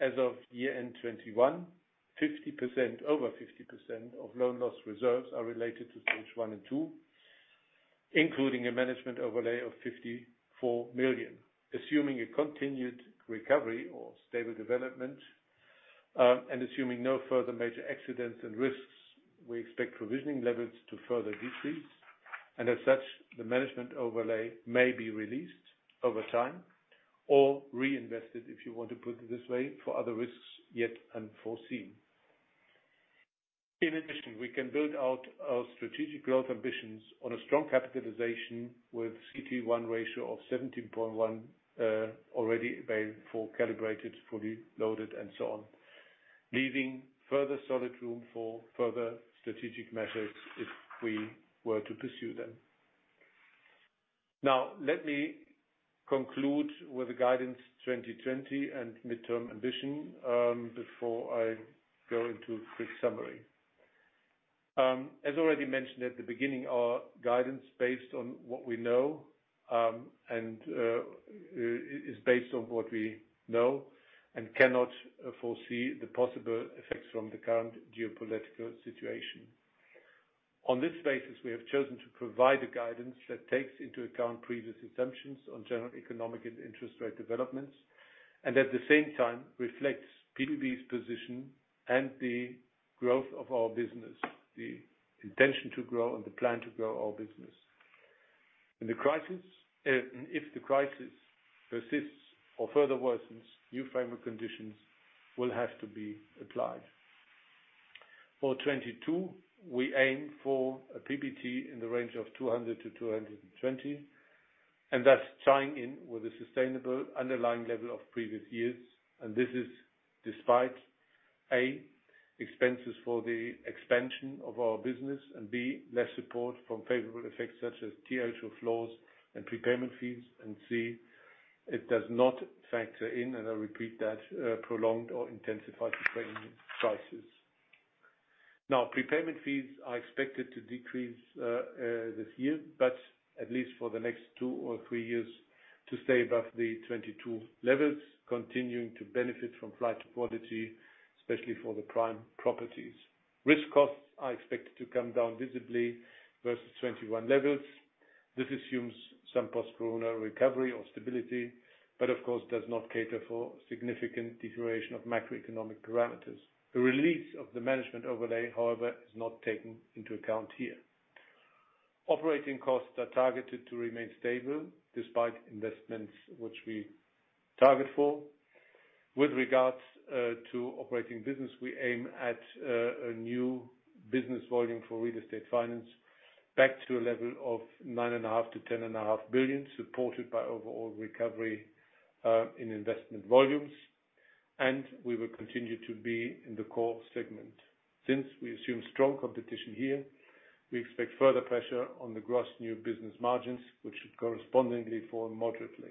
As of year-end 2021, 50%, over 50% of loan loss reserves are related to Stage 1 and 2, including a management overlay of 54 million. Assuming a continued recovery or stable development, and assuming no further major accidents and risks, we expect provisioning levels to further decrease. As such, the management overlay may be released over time or reinvested, if you want to put it this way, for other risks yet unforeseen. In addition, we can build out our strategic growth ambitions on a strong capitalization with CET1 ratio of 17.1, already available, calibrated, fully loaded, and so on, leaving further solid room for further strategic measures if we were to pursue them. Now, let me conclude with the guidance 2020 and midterm ambition, before I go into quick summary. As already mentioned at the beginning, our guidance is based on what we know and cannot foresee the possible effects from the current geopolitical situation. On this basis, we have chosen to provide a guidance that takes into account previous assumptions on general economic and interest rate developments, and at the same time reflects PBB's position and the growth of our business, the intention to grow and the plan to grow our business. If the crisis persists or further worsens, new framework conditions will have to be applied. For 2022, we aim for a PBT in the range of 200-220, and thus tying in with a sustainable underlying level of previous years. This is despite, A, expenses for the expansion of our business, and B, less support from favorable effects such as TLTRO flows and prepayment fees, and C, it does not factor in, and I repeat that, prolonged or intensified Ukrainian crisis. Now, prepayment fees are expected to decrease this year, but at least for the next 2 or 3 years, to stay above the 22 levels, continuing to benefit from flight to quality, especially for the prime properties. Risk costs are expected to come down visibly versus 21 levels. This assumes some post-corona recovery or stability, but of course does not cater for significant deterioration of macroeconomic parameters. The release of the management overlay, however, is not taken into account here. Operating costs are targeted to remain stable despite investments which we target for. With regards to operating business, we aim at a new business volume for real estate finance back to a level of 9.5 billion-10.5 billion, supported by overall recovery in investment volumes. We will continue to be in the core segment. Since we assume strong competition here, we expect further pressure on the gross new business margins, which should correspondingly fall moderately.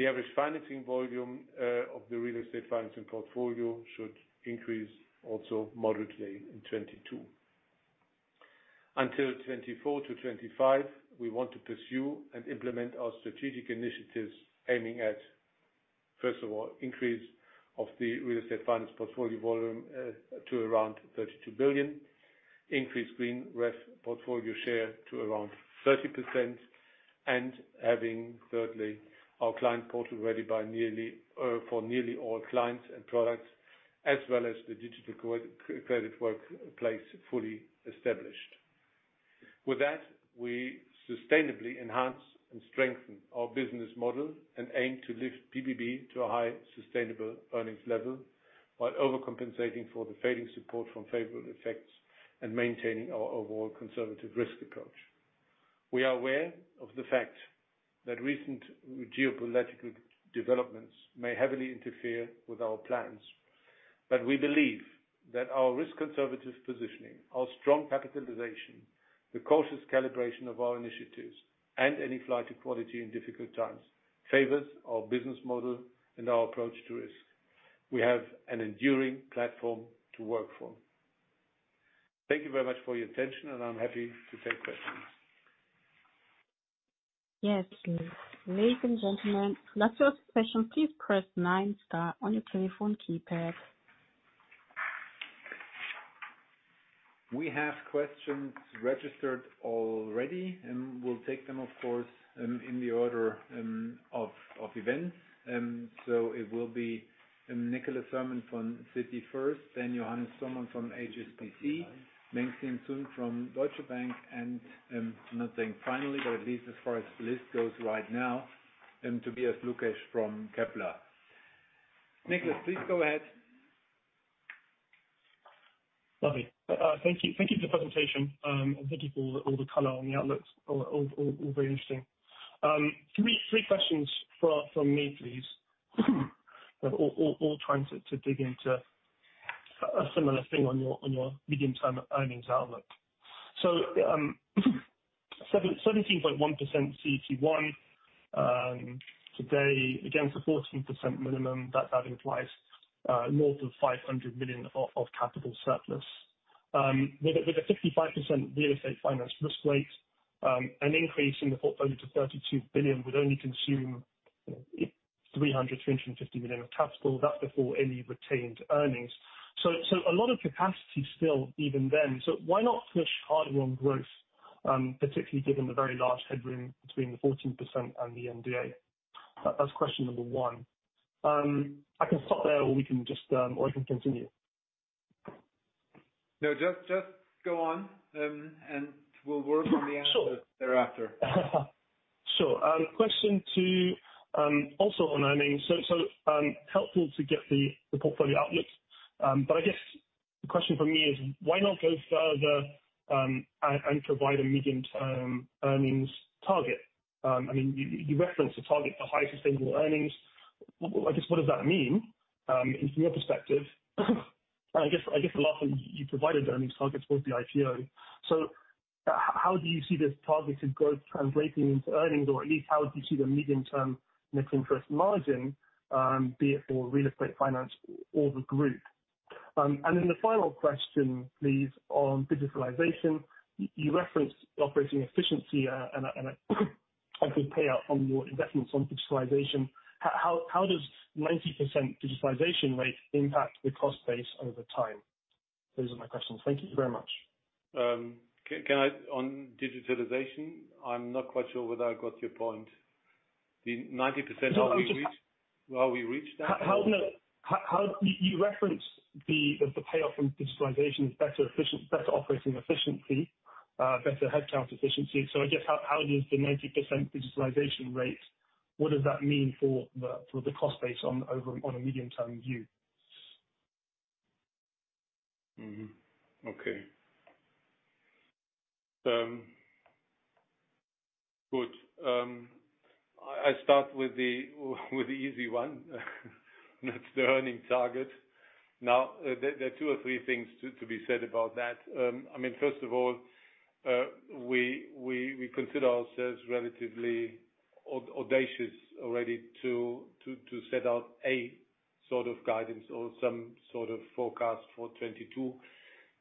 The average financing volume of the real estate financing portfolio should increase also moderately in 2022. Until '24-'25, we want to pursue and implement our strategic initiatives aiming at, first of all, increase of the real estate finance portfolio volume to around 32 billion. Increase green REF portfolio share to around 30%, and having thirdly, our client portal ready for nearly all clients and products, as well as the digital credit workplace fully established. With that, we sustainably enhance and strengthen our business model and aim to lift pbb to a high sustainable earnings level, while overcompensating for the fading support from favorable effects and maintaining our overall conservative risk approach. We are aware of the fact that recent geopolitical developments may heavily interfere with our plans, but we believe that our risk conservative positioning, our strong capitalization, the cautious calibration of our initiatives and any flight to quality in difficult times favors our business model and our approach to risk. We have an enduring platform to work from. Thank you very much for your attention, and I'm happy to take questions. Yes, please. Ladies and gentlemen, let's go to question. Please press nine star on your telephone keypad. We have questions registered already, and we'll take them, of course, in the order of events. It will be Nicholas Hermann from Citi first, then Johannes Thormann from HSBC, Mengxia Sun from Deutsche Bank. I'm not saying finally, but at least as far as the list goes right now, Tobias Lukesch from Kepler Cheuvreux. Nicholas, please go ahead. Lovely. Thank you. Thank you for the presentation. Thank you for all the color on the outlook. All very interesting. Three questions from me, please. All trying to dig into a similar thing on your medium-term earnings outlook. 17.1% CET1 today against a 14% minimum that implies north of 500 million of capital surplus. With a 55% real estate finance risk weight, an increase in the portfolio to 32 billion would only consume 350 million of capital. That's before any retained earnings. A lot of capacity still even then. Why not push harder on growth, particularly given the very large headroom between the 14% and the MDA? That's question number one. I can stop there or we can just, or I can continue. No, just go on, and we'll work- Sure. On the answers thereafter. Sure. Question two, also on earnings. Helpful to get the portfolio outlook. I guess the question from me is, why not go further and provide a medium-term earnings target? I mean, you referenced the target for high sustainable earnings. Well, I guess, what does that mean from your perspective? I guess the last one you provided the earnings targets was the IPO. How do you see this targeted growth translating into earnings? At least how do you see the medium-term net interest margin, be it for real estate finance or the group? Then the final question, please, on digitalization. You referenced operating efficiency and a good payout on your investments on digitalization. How does 90% digitalization rate impact the cost base over time? Those are my questions. Thank you very much. On digitalization, I'm not quite sure whether I got your point. The 90%- No, I'm just. Have we reached that or How do you reference the payout from digitalization? It's better operating efficiency, better headcount efficiency. I guess, how does the 90% digitalization rate? What does that mean for the cost base overall on a medium-term view? I start with the easy one, and that's the earnings target. Now, there are two or three things to be said about that. I mean, first of all, we consider ourselves relatively audacious already to set out a sort of guidance or some sort of forecast for 2022,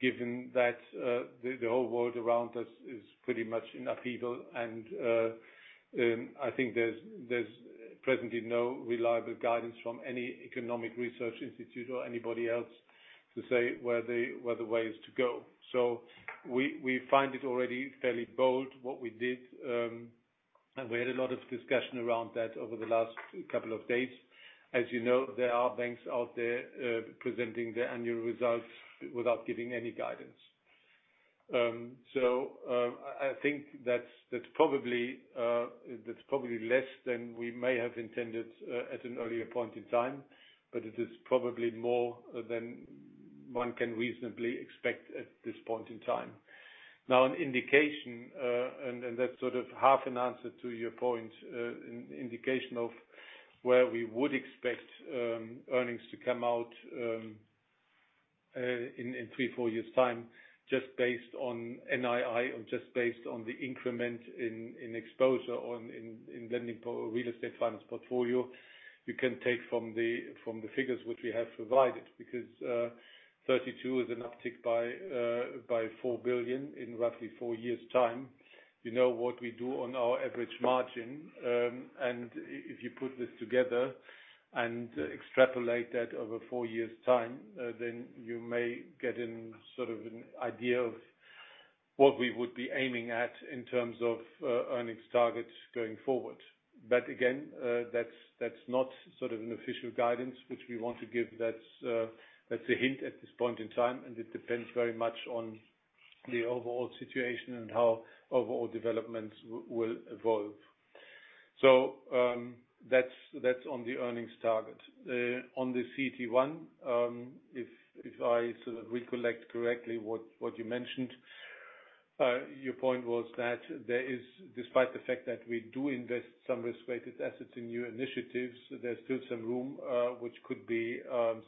given that the whole world around us is pretty much in upheaval. I think there's presently no reliable guidance from any economic research institute or anybody else to say where the way is to go. We find it already fairly bold what we did. We had a lot of discussion around that over the last couple of days. As you know, there are banks out there presenting their annual results without giving any guidance. I think that's probably less than we may have intended at an earlier point in time, but it is probably more than one can reasonably expect at this point in time. Now an indication, and that's sort of half an answer to your point, an indication of where we would expect earnings to come out in 3-4 years' time, just based on NII or just based on the increment in exposure in lending for real estate finance portfolio. You can take from the figures which we have provided because 32 is an uptick by 4 billion in roughly 4 years' time. You know what we do on our average margin. If you put this together and extrapolate that over four years' time, then you may get an, sort of an idea of what we would be aiming at in terms of, earnings targets going forward. Again, that's not sort of an official guidance which we want to give. That's a hint at this point in time, and it depends very much on the overall situation and how overall developments will evolve. That's on the earnings target. On the CET1, if I sort of recollect correctly what you mentioned, your point was that there is despite the fact that we do invest some risk-weighted assets in new initiatives, there's still some room, which could be,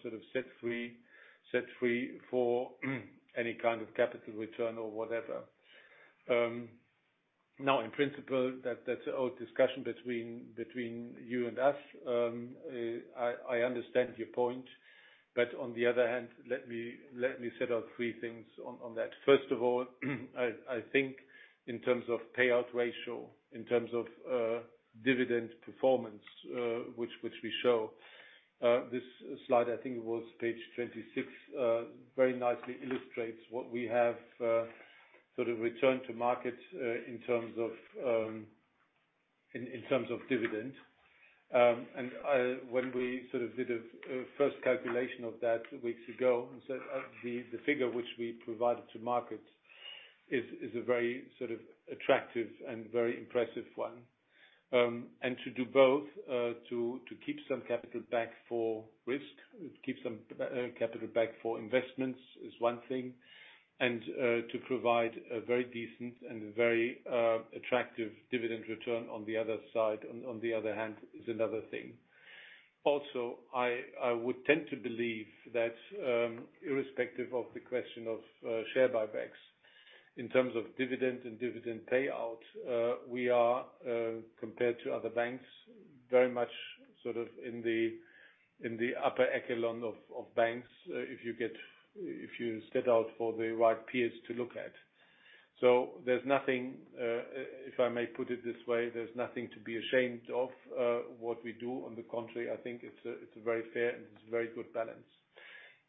sort of set free for any kind of capital return or whatever. Now in principle, that's our discussion between you and us. I understand your point, but on the other hand, let me set out three things on that. First of all, I think in terms of payout ratio, in terms of dividend performance, which we show this slide, I think it was page 26, very nicely illustrates what we have sort of returned to market in terms of dividend. When we sort of did a first calculation of that weeks ago, so the figure which we provided to market is a very sort of attractive and very impressive one. To do both, to keep some capital back for risk, keep some capital back for investments is one thing, and to provide a very decent and very attractive dividend return on the other side, on the other hand is another thing. Also, I would tend to believe that, irrespective of the question of share buybacks, in terms of dividend and dividend payout, we are compared to other banks, very much sort of in the upper echelon of banks, if you set out for the right peers to look at. There's nothing, if I may put it this way, there's nothing to be ashamed of what we do. On the contrary, I think it's a very fair and it's a very good balance.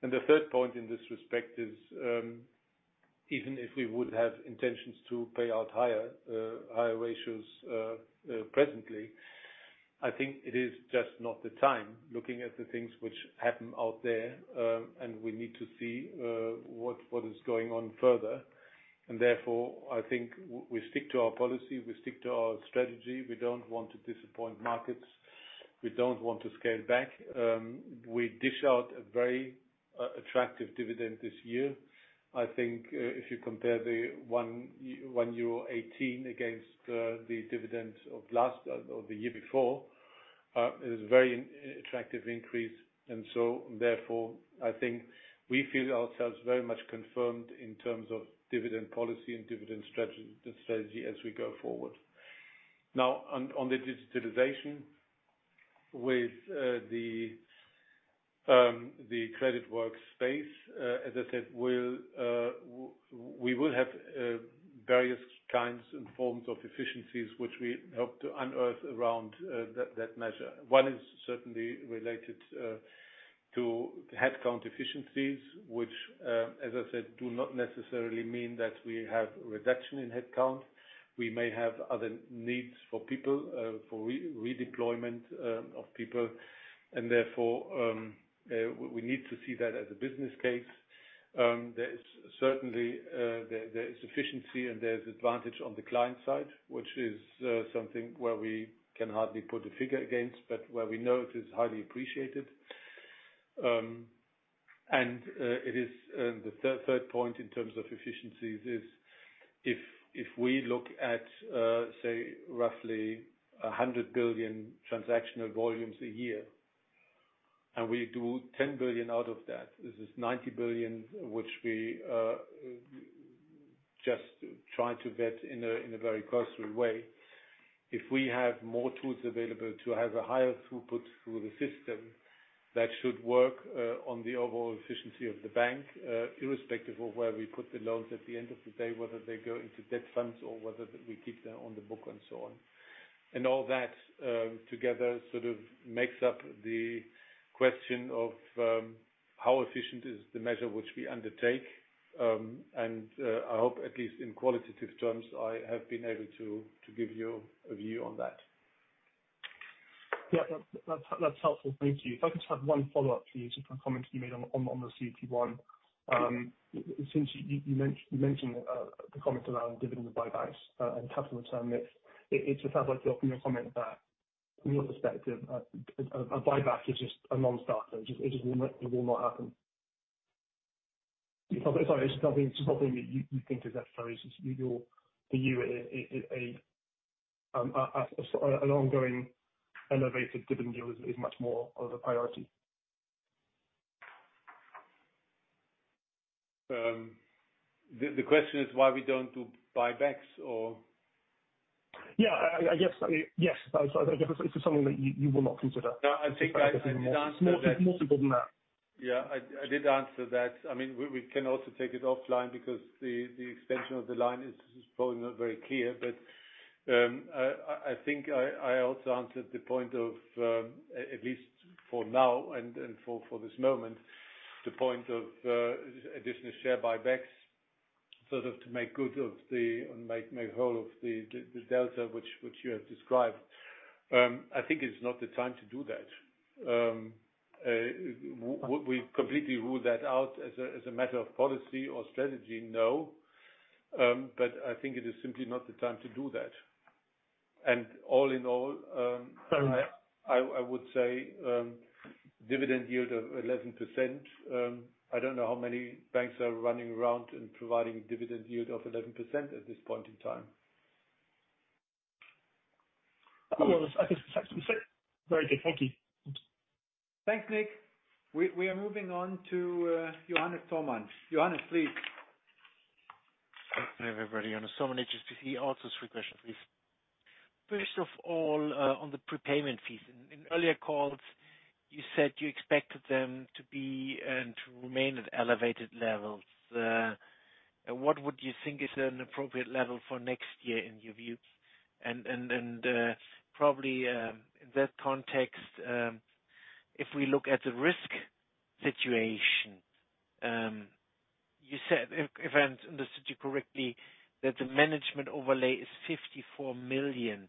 The third point in this respect is, even if we would have intentions to pay out higher ratios, presently, I think it is just not the time looking at the things which happen out there, and we need to see what is going on further. Therefore, I think we stick to our policy, we stick to our strategy. We don't want to disappoint markets. We don't want to scale back. We dish out a very attractive dividend this year. I think, if you compare the 1.18 euro against the dividend of last-year or the year-before, it is a very attractive increase. Therefore, I think we feel ourselves very much confirmed in terms of dividend policy and dividend strategy as we go forward. Now on the digitalization with the credit workspace, as I said, we will have various kinds and forms of efficiencies which we hope to unearth around that measure. One is certainly related to headcount efficiencies, which, as I said, do not necessarily mean that we have reduction in headcount. We may have other needs for people for redeployment of people, and therefore we need to see that as a business case. There is certainly efficiency and there's advantage on the client side, which is something where we can hardly put a figure against, but where we know it is highly appreciated. It is the third point in terms of efficiencies. If we look at, say, roughly 100 billion transactional volumes a year, and we do 10 billion out of that, this is 90 billion, which we just try to vet in a very cursory way. If we have more tools available to have a higher throughput through the system, that should work on the overall efficiency of the bank, irrespective of where we put the loans at the end of the day, whether they go into debt funds or whether we keep them on the book and so on. All that together sort of makes up the question of how efficient is the measure which we undertake. I hope at least in qualitative terms, I have been able to give you a view on that. Yeah. That's helpful. Thank you. If I could have one follow-up please on comments you made on the CET1. Since you mentioned the comments around dividend and buybacks, and capital return mix, it just sounds like from your perspective, a buyback is just a non-starter. It just will not happen. Sorry, it's nothing that you think is necessary. Just for you it is an ongoing innovative dividend deal is much more of a priority. The question is why we don't do buybacks, or? Yeah. I guess, yes. Sorry. I guess it's something that you will not consider. No, I think I did answer that. It's more simple than that. Yeah, I did answer that. I mean, we can also take it offline because the extension of the line is probably not very clear. I think I also answered the point of at least for now and for this moment, the point of additional share buybacks, sort of to make whole of the delta which you have described. I think it's not the time to do that. Would we completely rule that out as a matter of policy or strategy? No. I think it is simply not the time to do that. All in all, I would say dividend yield of 11%. I don't know how many banks are running around and providing dividend yield of 11% at this point in time. Well, I guess that's very good. Thank you. Thanks, Nick. We are moving on to Johannes Thorman. Johannes, please. Good morning, everybody. Johannes Thorman, HSBC. Also three questions, please. First of all, on the prepayment fees. In earlier calls, you said you expected them to be and to remain at elevated levels. What would you think is an appropriate level for next year in your view? Probably, in that context, if we look at the risk situation, you said, if I understood you correctly, that the management overlay is 54 million.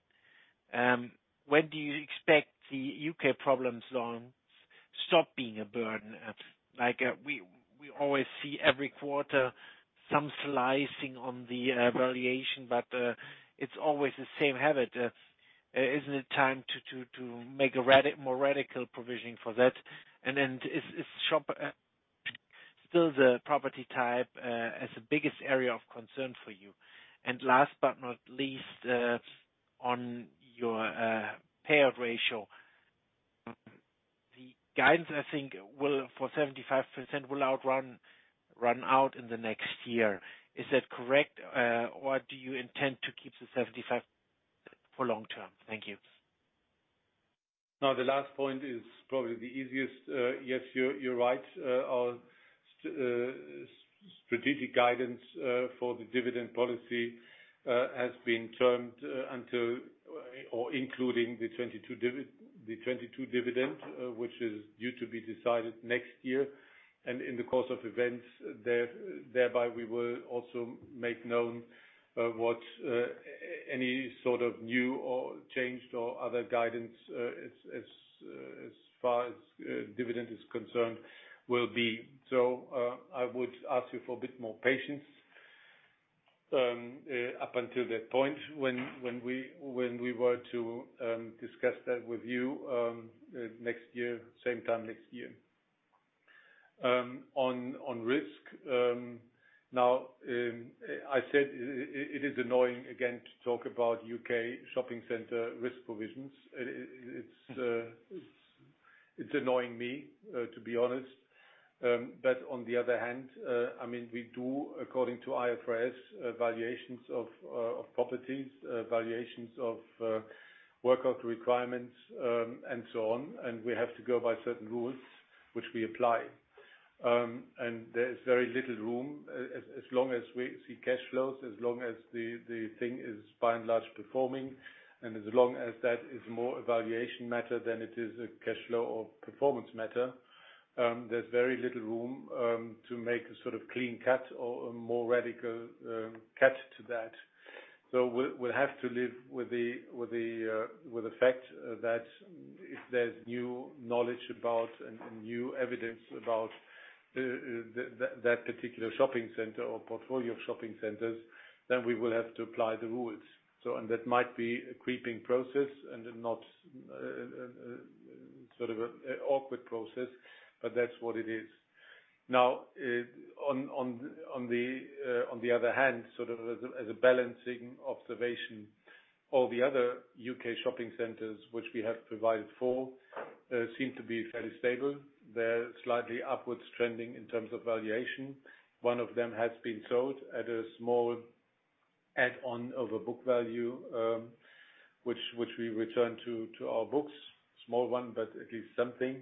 When do you expect the U.K. problem zone to stop being a burden? Like, we always see every quarter some slicing on the valuation, but it's always the same habit. Isn't it time to make a more radical provisioning for that? Is shop still the property type as the biggest area of concern for you? Last but not least, on your payout ratio. The guidance, I think, will for 75% run out in the next year. Is that correct? Or do you intend to keep the 75 for long term? Thank you. Now, the last point is probably the easiest. Yes, you're right. Our strategic guidance for the dividend policy has been termed until or including the 2022 dividend, which is due to be decided next year. In the course of events, thereby, we will also make known what any sort of new or changed or other guidance as far as dividend is concerned will be. I would ask you for a bit more patience up until that point when we were to discuss that with you next year, same time next year. On risk, now, I said it is annoying again to talk about U.K. Shopping center risk provisions. It's annoying me, to be honest. On the other hand, I mean, we do, according to IFRS, valuations of properties, valuations of workout requirements, and so on. We have to go by certain rules which we apply. There's very little room as long as we see cash flows, as long as the thing is by and large performing, and as long as that is more a valuation matter than it is a cash flow or performance matter, there's very little room to make a sort of clean cut or a more radical cut to that. We'll have to live with the fact that if there's new knowledge about and new evidence about that particular shopping center or portfolio of shopping centers, then we will have to apply the rules. That might be a creeping process and not sort of an awkward process, but that's what it is. Now, on the other hand, sort of as a balancing observation, all the other U.K. shopping centers which we have provided for seem to be fairly stable. They're slightly upwards trending in terms of valuation. One of them has been sold at a small add-on over book value, which we return to our books. Small one, but at least something.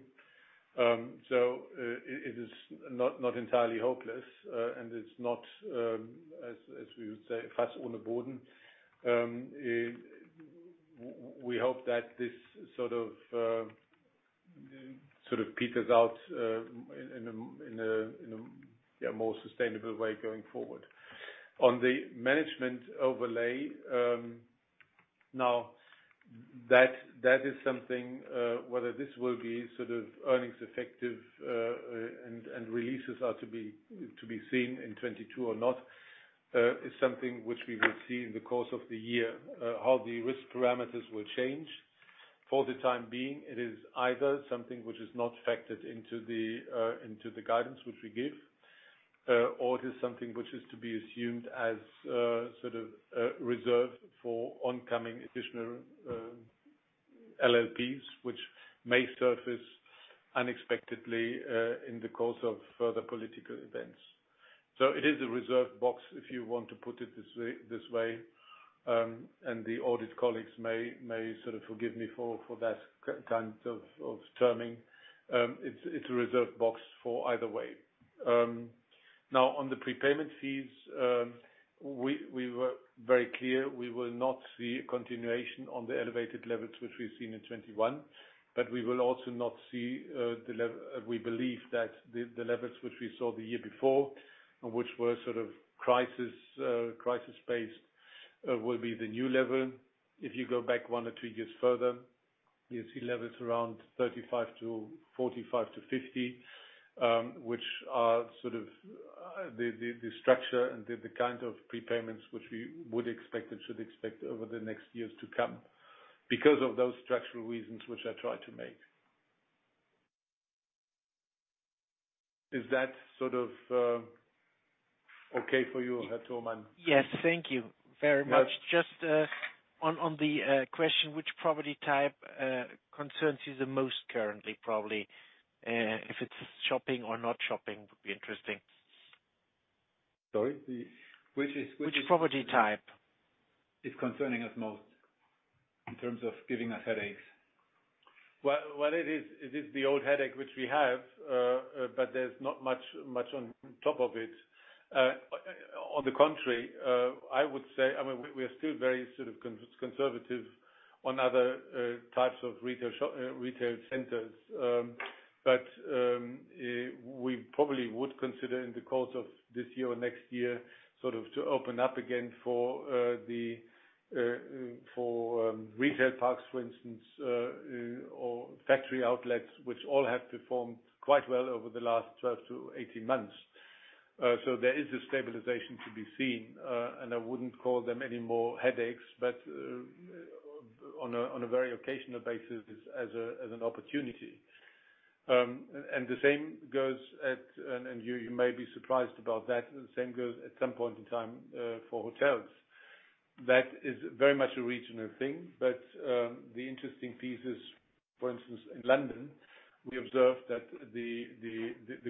It is not entirely hopeless, and it's not as we would say, we hope that this sort of peters out in a more sustainable way going forward. On the management overlay, now that is something whether this will be sort of earnings effective and releases are to be seen in 2022 or not. It is something which we will see in the course of the year how the risk parameters will change. For the time being, it is either something which is not factored into the guidance which we give, or it is something which is to be assumed as sort of a reserve for oncoming additional LLPs which may surface unexpectedly in the course of further political events. So it is a reserve box, if you want to put it this way. The audit colleagues may sort of forgive me for that kind of terming. It's a reserve box for either way. Now on the prepayment fees, we were very clear we will not see a continuation on the elevated levels which we've seen in 2021, but we will also not see the levels which we saw the year before and which were sort of crisis-based will be the new level. If you go back one or two years further, you'll see levels around 35 to 45 to 50, which are sort of the structure and the kind of prepayments which we would expect and should expect over the next years to come because of those structural reasons which I tried to make. Is that sort of okay for you, Herr Thomann? Yes, thank you very much. Yes. Just on the question which property type concerns you the most currently, probably if it's shopping or not shopping would be interesting. Sorry? Which is Which property type? Is concerning us most in terms of giving us headaches? Well, it is the old headache which we have, but there's not much on top of it. On the contrary, I would say, I mean, we are still very sort of conservative on other types of retail centers. We probably would consider in the course of this year or next year, sort of to open up again for the retail parks, for instance, or factory outlets, which all have performed quite well over the last 12-18 months. There is a stabilization to be seen. I wouldn't call them any more headaches, but on a very occasional basis as an opportunity. The same goes at some point in time for hotels. That is very much a regional thing. The interesting piece is, for instance, in London, we observed that the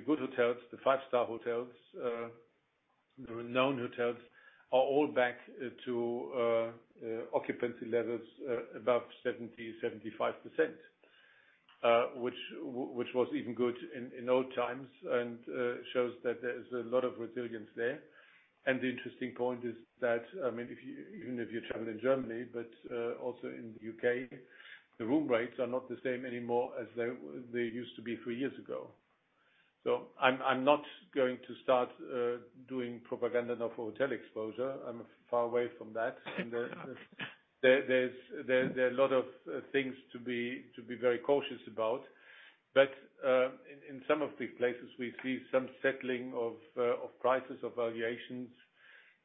good hotels, the five-star hotels, the renowned hotels are all back to occupancy levels above 75%, which was even good in old times and shows that there is a lot of resilience there. The interesting point is that, I mean, even if you travel in Germany, but also in the U.K., the room rates are not the same anymore as they used to be three years ago. I'm not going to start doing propaganda now for hotel exposure. I'm far away from that. There are a lot of things to be very cautious about. In some of the places we see some settling of prices, of valuations,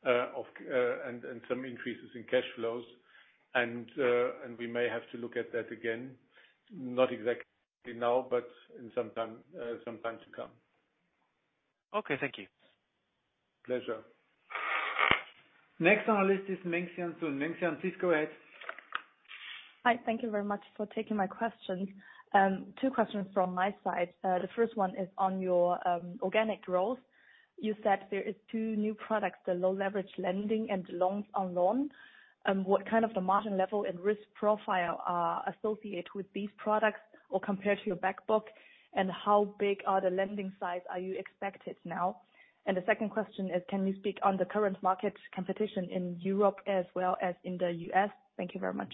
and some increases in cash flows. We may have to look at that again, not exactly now, but in some time to come. Okay. Thank you. Pleasure. Next on our list is Mengxia Sun. Mengxia, please go ahead. Hi, thank you very much for taking my questions. Two questions from my side. The first one is on your organic growth. You said there is two new products, the low leverage lending and loan on loan. What kind of the margin level and risk profile are associated with these products or compared to your back book, and how big are the lending size you expected now? The second question is, can you speak on the current market competition in Europe as well as in the U.S.? Thank you very much.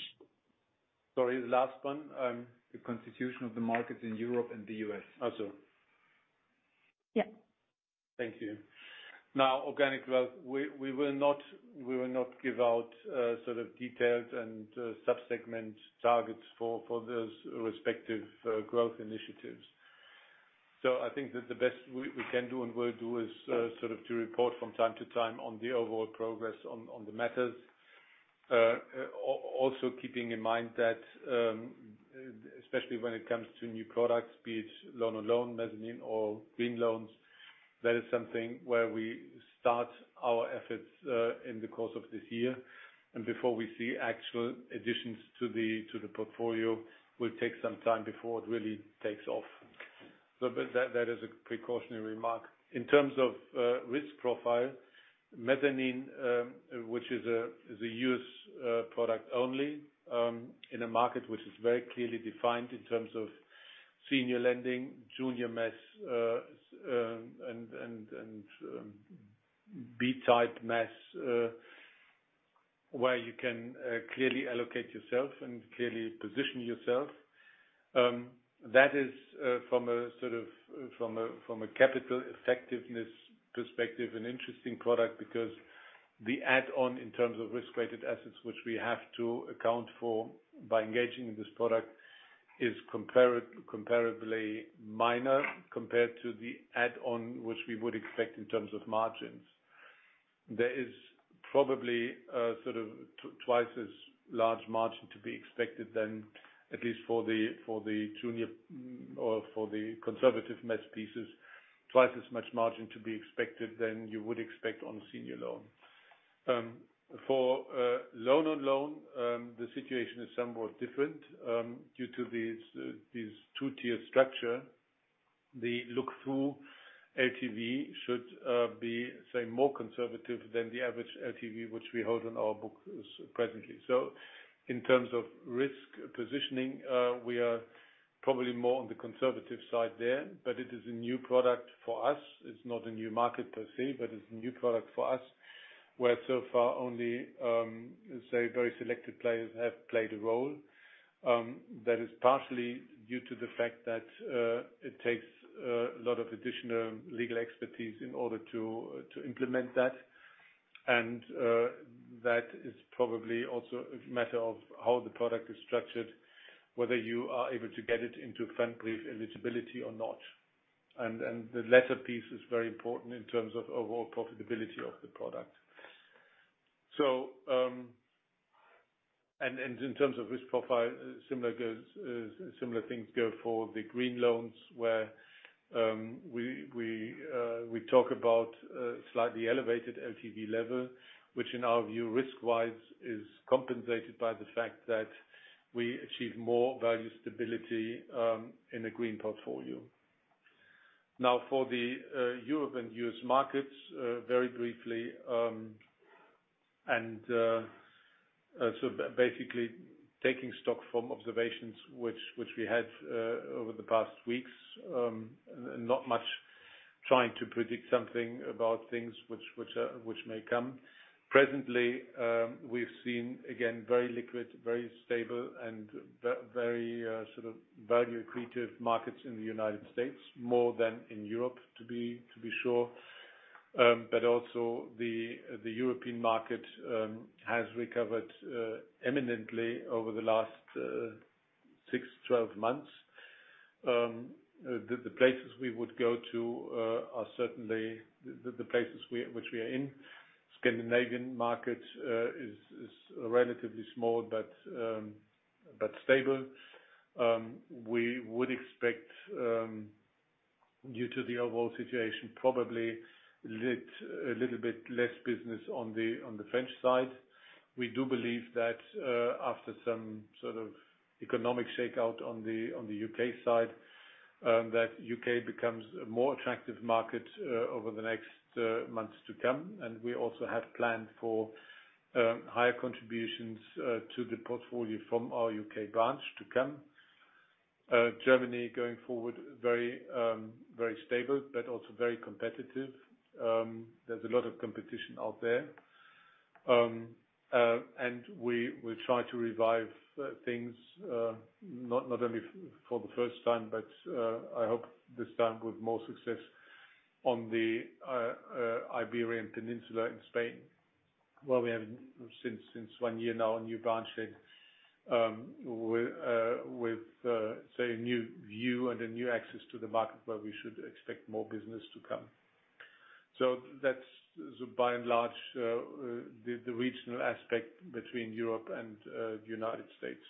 Sorry, the last one. The composition of the markets in Europe and the U.S. also. Yes. Thank you. Now, organic growth, we will not give out sort of detailed and sub-segment targets for those respective growth initiatives. I think that the best we can do and will do is sort of to report from time to time on the overall progress on the matters. Also keeping in mind that, especially when it comes to new products, be it loan on loan, mezzanine or green loans, that is something where we start our efforts in the course of this year. Before we see actual additions to the portfolio, will take some time before it really takes off. That is a precautionary remark. In terms of risk profile, mezzanine, which is a useful product only in a market which is very clearly defined in terms of senior lending, junior mezz, and B-type mezz, where you can clearly allocate yourself and clearly position yourself. That is from a capital effectiveness perspective, an interesting product because the add-on in terms of risk-weighted assets, which we have to account for by engaging in this product is comparably minor compared to the add-on which we would expect in terms of margins. There is probably sort of twice as large margin to be expected than at least for the junior or for the conservative mezz pieces, twice as much margin to be expected than you would expect on senior loan. For loan on loan, the situation is somewhat different due to this two-tier structure. The look-through LTV should be, say, more conservative than the average LTV which we hold on our books presently. In terms of risk positioning, we are probably more on the conservative side there, but it is a new product for us. It's not a new market per se, but it's a new product for us, where so far only, say very selected players have played a role. That is partially due to the fact that it takes a lot of additional legal expertise in order to implement that. That is probably also a matter of how the product is structured, whether you are able to get it into Pfandbrief eligibility or not. The latter piece is very important in terms of overall profitability of the product. In terms of risk profile, similar things go for the green loans where we talk about slightly elevated LTV level, which in our view, risk-wise, is compensated by the fact that we achieve more value stability in a green portfolio. Now, for the Europe and U.S. markets, very briefly, basically taking stock from observations which we had over the past weeks, not much trying to predict something about things which may come. Presently, we've seen, again, very liquid, very stable and very sort of value-accretive markets in the United States more than in Europe, to be sure. Also the European market has recovered eminently over the last 6-12 months. The places we would go to are certainly the places which we are in. Scandinavian market is relatively small, but stable. We would expect due to the overall situation probably a little bit less business on the French side. We do believe that after some sort of economic shakeout on the U.K. side that U.K. becomes a more attractive market over the next months to come. We also have planned for higher contributions to the portfolio from our U.K. branch to come. Germany going forward very stable, but also very competitive. There's a lot of competition out there. We will try to revive things not only for the first time, but I hope this time with more success on the Iberian Peninsula in Spain, where we have since one year now a new branch head with say a new view and a new access to the market where we should expect more business to come. That's by and large the regional aspect between Europe and the United States.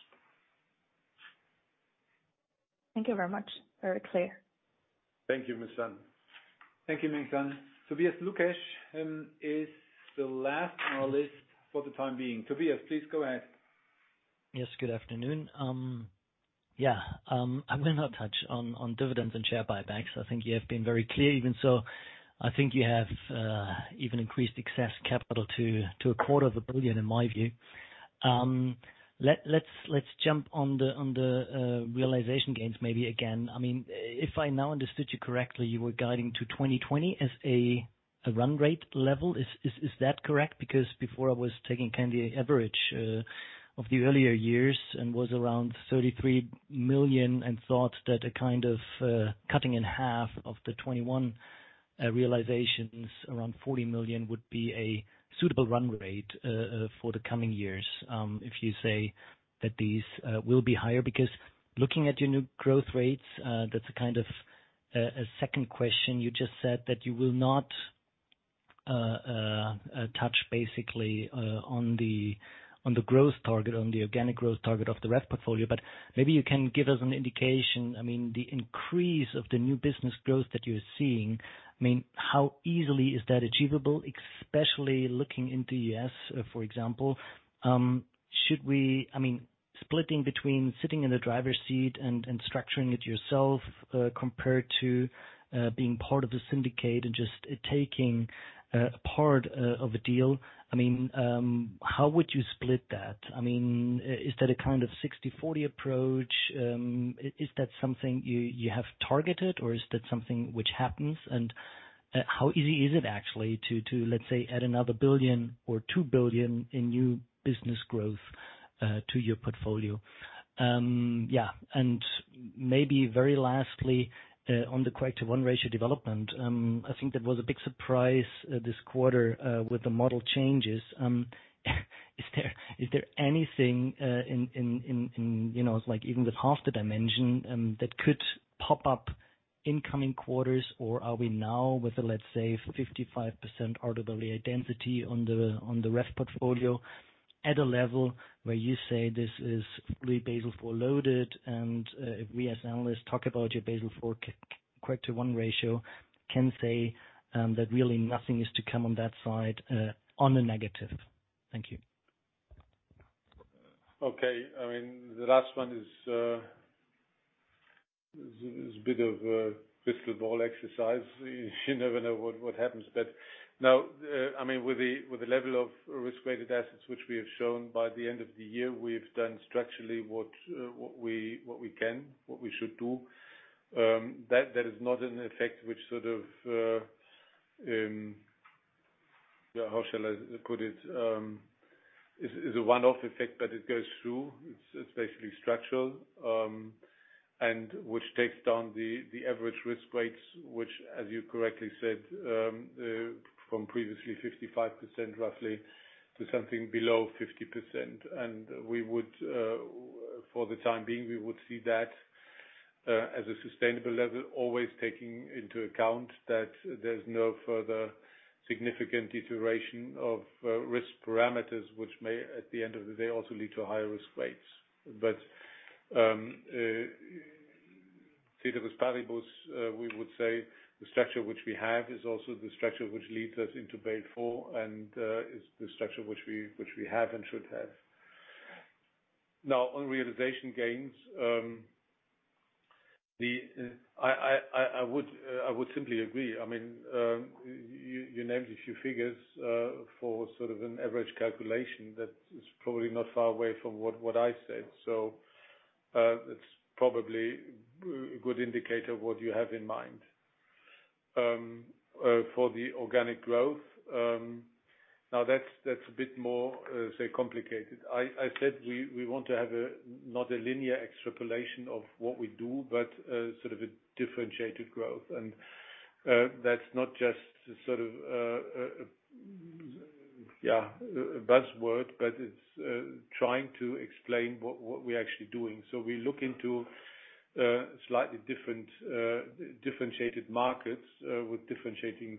Thank you very much. Very clear. Thank you, Miss Sun. Thank you, Miss Sun. Tobias Lukesch is the last on our list for the time being. Tobias, please go ahead. Yes, good afternoon. I will not touch on dividends and share buybacks. I think you have been very clear. Even so, I think you have even increased excess capital to a quarter of a billion EUR, in my view. Let's jump on the realization gains maybe again. I mean, if I now understood you correctly, you were guiding to 2020 as a run rate level. Is that correct? Because before I was taking kinda average of the earlier years and was around 33 million and thought that a kind of cutting in half of the 2021 realizations around 40 million would be a suitable run rate for the coming years. If you say that these will be higher. Because looking at your new growth rates, that's a kind of a second question. You just said that you will not touch basically on the organic growth target of the REF portfolio. Maybe you can give us an indication. I mean, the increase of the new business growth that you're seeing, I mean, how easily is that achievable? Especially looking into U.S., for example, I mean, splitting between sitting in the driver's seat and structuring it yourself compared to being part of the syndicate and just taking part of a deal. I mean, how would you split that? I mean, is that a kind of 60/40 approach? Is that something you have targeted or is that something which happens? How easy is it actually to let's say add another 1 billion or 2 billion in new business growth to your portfolio? Maybe very lastly on the CET1 ratio development, I think that was a big surprise this quarter with the model changes. Is there anything, you know, like even with half the dimension, that could pop up in coming quarters or are we now with the let's say 55% RWA density on the ref portfolio at a level where you say this is fully Basel IV loaded and we as analysts talk about your Basel IV CET1 ratio can say that really nothing is to come on that side on the negative? Thank you. Okay. I mean, the last one is a bit of a crystal ball exercise. You never know what happens. Now, I mean, with the level of risk-weighted assets which we have shown by the end of the year, we've done structurally what we can, what we should do. That is not an effect which sort of, how shall I put it, is a one-off effect that it goes through. It's basically structural, and which takes down the average risk weights, which as you correctly said, from previously 55% roughly to something below 50%. We would, for the time being, see that as a sustainable level, always taking into account that there's no further significant iteration of risk parameters, which may, at the end of the day, also lead to higher risk rates. Ceteris paribus, we would say the structure which we have is also the structure which leads us into Basel IV and is the structure which we have and should have. Now on realization gains, I would simply agree. I mean, you named a few figures for sort of an average calculation that is probably not far away from what I said. It's probably a good indicator of what you have in mind. For the organic growth, that's a bit more, say, complicated. I said we want to have not a linear extrapolation of what we do, but sort of a differentiated growth. That's not just sort of a buzzword, but it's trying to explain what we're actually doing. We look into slightly different differentiated markets with differentiating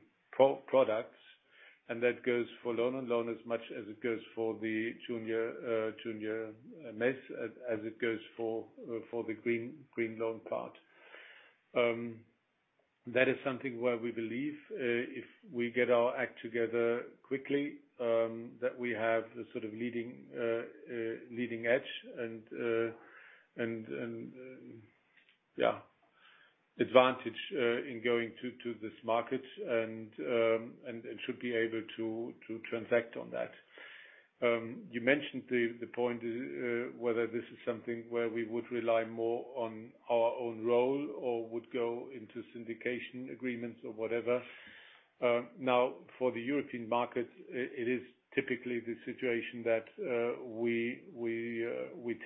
products, and that goes for loan-on-loan as much as it goes for the junior mezz as it goes for the green loan part. That is something where we believe, if we get our act together quickly, that we have a sort of leading edge and advantage in going to this market and should be able to transact on that. You mentioned the point whether this is something where we would rely more on our own role or would go into syndication agreements or whatever. Now for the European market, it is typically the situation that we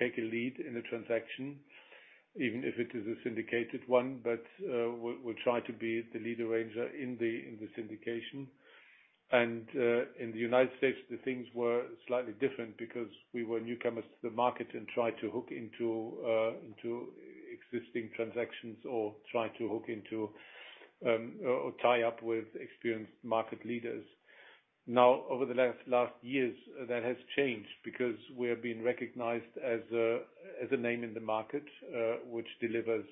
take a lead in the transaction, even if it is a syndicated one. We'll try to be the lead arranger in the syndication. In the United States, the things were slightly different because we were newcomers to the market and tried to hook into existing transactions or tie up with experienced market leaders. Now, over the last years, that has changed because we have been recognized as a name in the market, which delivers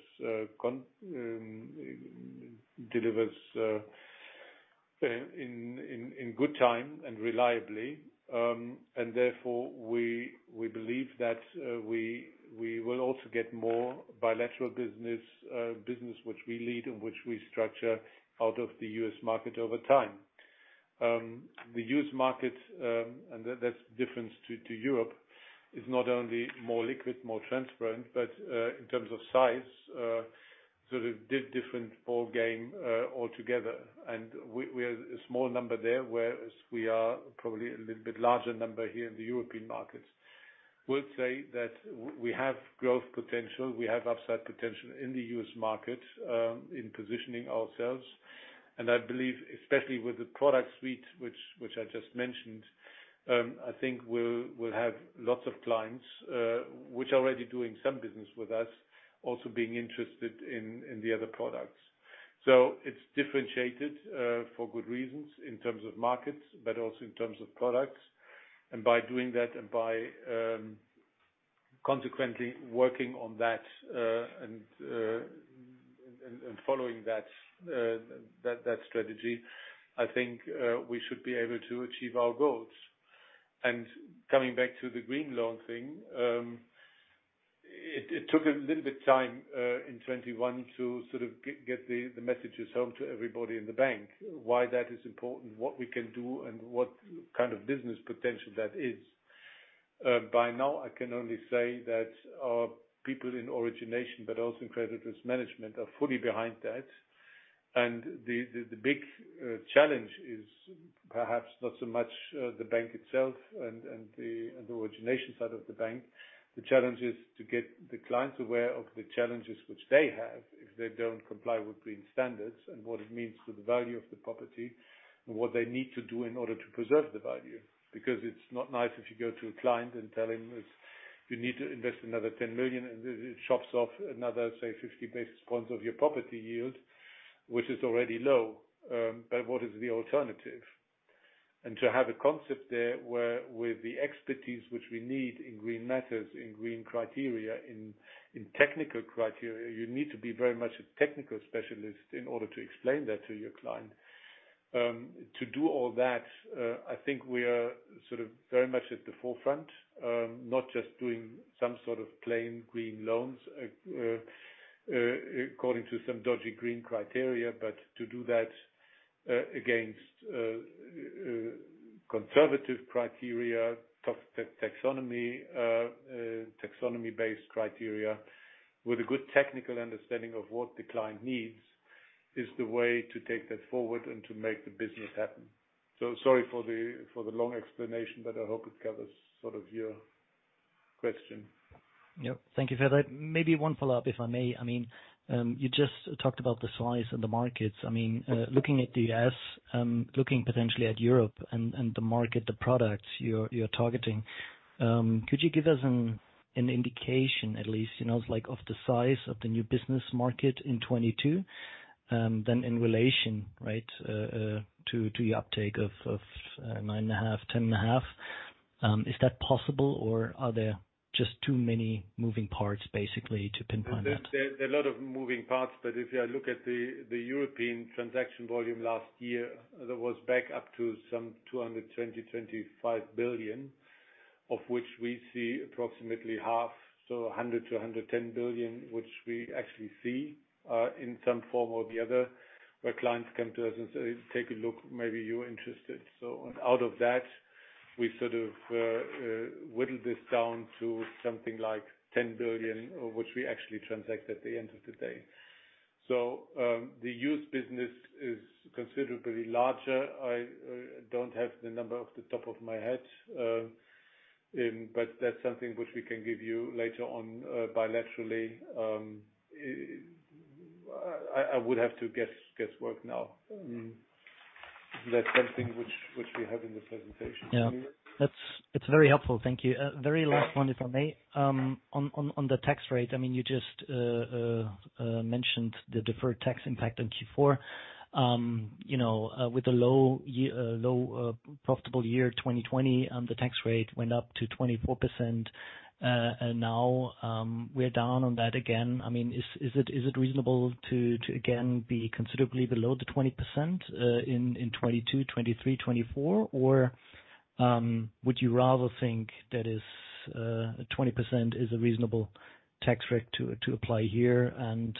in good time and reliably. Therefore we believe that we will also get more bilateral business which we lead and which we structure out of the U.S. market over time. The U.S. market, that's the difference to Europe, is not only more liquid, more transparent, but in terms of size, sort of different ball game altogether. We are a small number there, whereas we are probably a little bit larger number here in the European markets. I would say that we have growth potential, we have upside potential in the U.S. market, in positioning ourselves, and I believe especially with the product suite, which I just mentioned, I think we'll have lots of clients which are already doing some business with us also being interested in the other products. It's differentiated for good reasons in terms of markets, but also in terms of products. By doing that and by consequently working on that and following that strategy, I think we should be able to achieve our goals. Coming back to the green loan thing, it took a little bit time in 2021 to sort of get the messages home to everybody in the bank, why that is important, what we can do, and what kind of business potential that is. By now I can only say that our people in origination, but also in credit risk management are fully behind that. The big challenge is perhaps not so much the bank itself and the origination side of the bank. The challenge is to get the clients aware of the challenges which they have if they don't comply with green standards and what it means to the value of the property and what they need to do in order to preserve the value. Because it's not nice if you go to a client and tell him it's, "You need to invest another 10 million," and it chops off another, say, 50 basis points of your property yield, which is already low. But what is the alternative? To have a concept there where with the expertise which we need in green matters, in green criteria, in technical criteria, you need to be very much a technical specialist in order to explain that to your client. To do all that, I think we are sort of very much at the forefront, not just doing some sort of plain green loans according to some dodgy green criteria, but to do that against conservative criteria, taxonomy-based criteria with a good technical understanding of what the client needs, is the way to take that forward and to make the business happen. Sorry for the long explanation, but I hope it covers sort of your question. Yep. Thank you for that. Maybe one follow-up, if I may. I mean, you just talked about the size of the markets. I mean, looking potentially at Europe and the market, the products you're targeting, could you give us an indication, at least, you know, like of the size of the new business market in 2022 and in relation to the uptake of 9.5, 10.5? Is that possible or are there just too many moving parts basically to pinpoint that? There's a lot of moving parts, but if you look at the European transaction volume last year, that was back up to some 225 billion, of which we see approximately half, so 100 billion to 110 billion, which we actually see in some form or the other, where clients come to us and say, "Take a look. Maybe you're interested." Out of that, we sort of whittled this down to something like 10 billion, which we actually transact at the end of the day. The used business is considerably larger. I don't have the number off the top of my head, but that's something which we can give you later on bilaterally. I would have to guesswork now. That's something which we have in the presentation. Yeah. That's it. It's very helpful. Thank you. Very last one, if I may. On the tax rate, I mean, you just mentioned the deferred tax impact on Q4. You know, with the low profitable year, 2020, the tax rate went up to 24%. Now, we're down on that again. I mean, is it reasonable to again be considerably below the 20% in '22, '23, '24? Or would you rather think that 20% is a reasonable tax rate to apply here and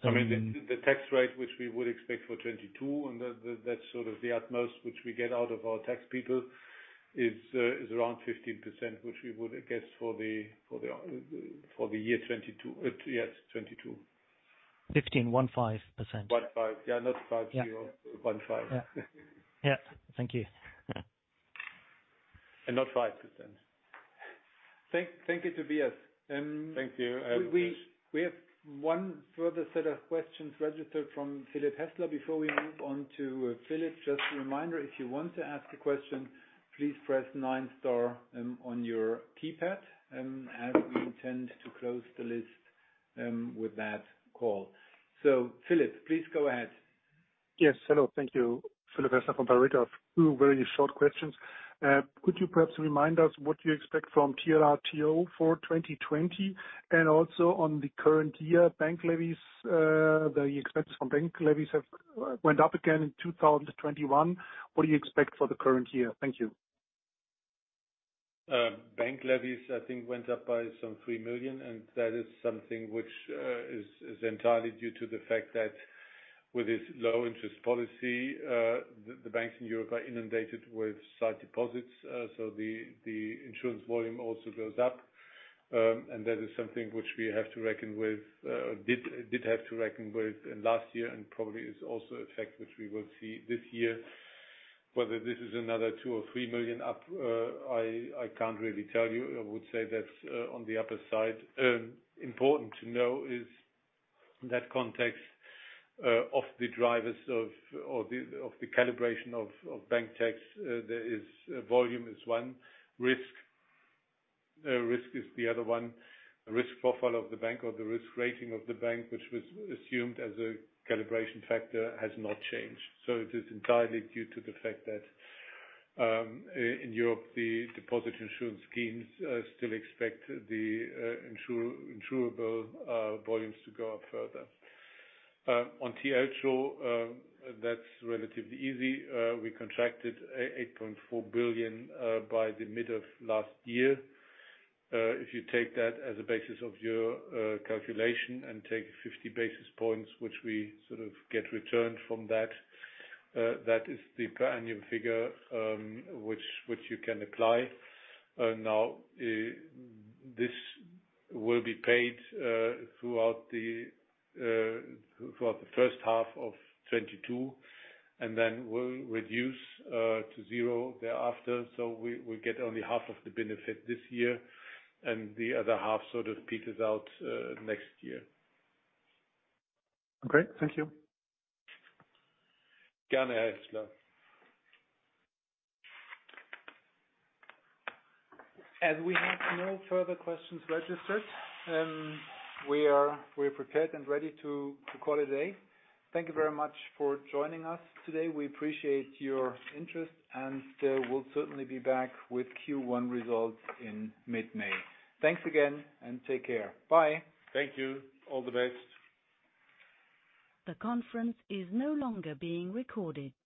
I mean, the tax rate which we would expect for 2022, and that's sort of the utmost which we get out of our tax people is around 15%, which we would guess for the year 2022. Yes. 2022. 15%? 15. Yeah, not 50. Yeah. One-five. Yeah. Thank you. Not 5%. Thank you, Tobias. Thank you. We have one further set of questions registered from Philipp Häßler. Before we move on to Philipp, just a reminder, if you want to ask a question, please press nine star on your keypad as we intend to close the list with that call. Philipp, please go ahead. Yes. Hello. Thank you. Philipp Häßler from Berenberg. Two very short questions. Could you perhaps remind us what you expect from TLTRO for 2020? And also on the current year bank levies, the expenses from bank levies have went up again in 2021. What do you expect for the current year? Thank you. Bank levies, I think went up by some 3 million, and that is something which is entirely due to the fact that with this low interest policy, the banks in Europe are inundated with sight deposits. So the insurance volume also goes up. That is something which we have to reckon with. We did have to reckon with in last year and probably is also a fact which we will see this year. Whether this is another 2 or 3 million up, I can't really tell you. I would say that's on the upper side. Important to know is that context of the drivers of, or the calibration of bank levy, there is volume is one. Risk is the other one. Risk profile of the bank or the risk rating of the bank, which was assumed as a calibration factor, has not changed. It is entirely due to the fact that in Europe, the deposit insurance schemes still expect the insurable volumes to go up further. On TLTRO, that's relatively easy. We contracted 8.4 billion by the mid of last year. If you take that as a basis of your calculation and take 50 basis points, which we sort of get returned from that is the per annum figure, which you can apply. Now, this will be paid throughout the first half of 2022, and then we'll reduce to zero thereafter. We get only half of the benefit this year and the other half sort of peters out next year. Okay. Thank you. As we have no further questions registered, we are prepared and ready to call it a day. Thank you very much for joining us today. We appreciate your interest, and we'll certainly be back with Q1 results in mid-May. Thanks again and take care. Bye. Thank you. All the best. The conference is no longer being recorded.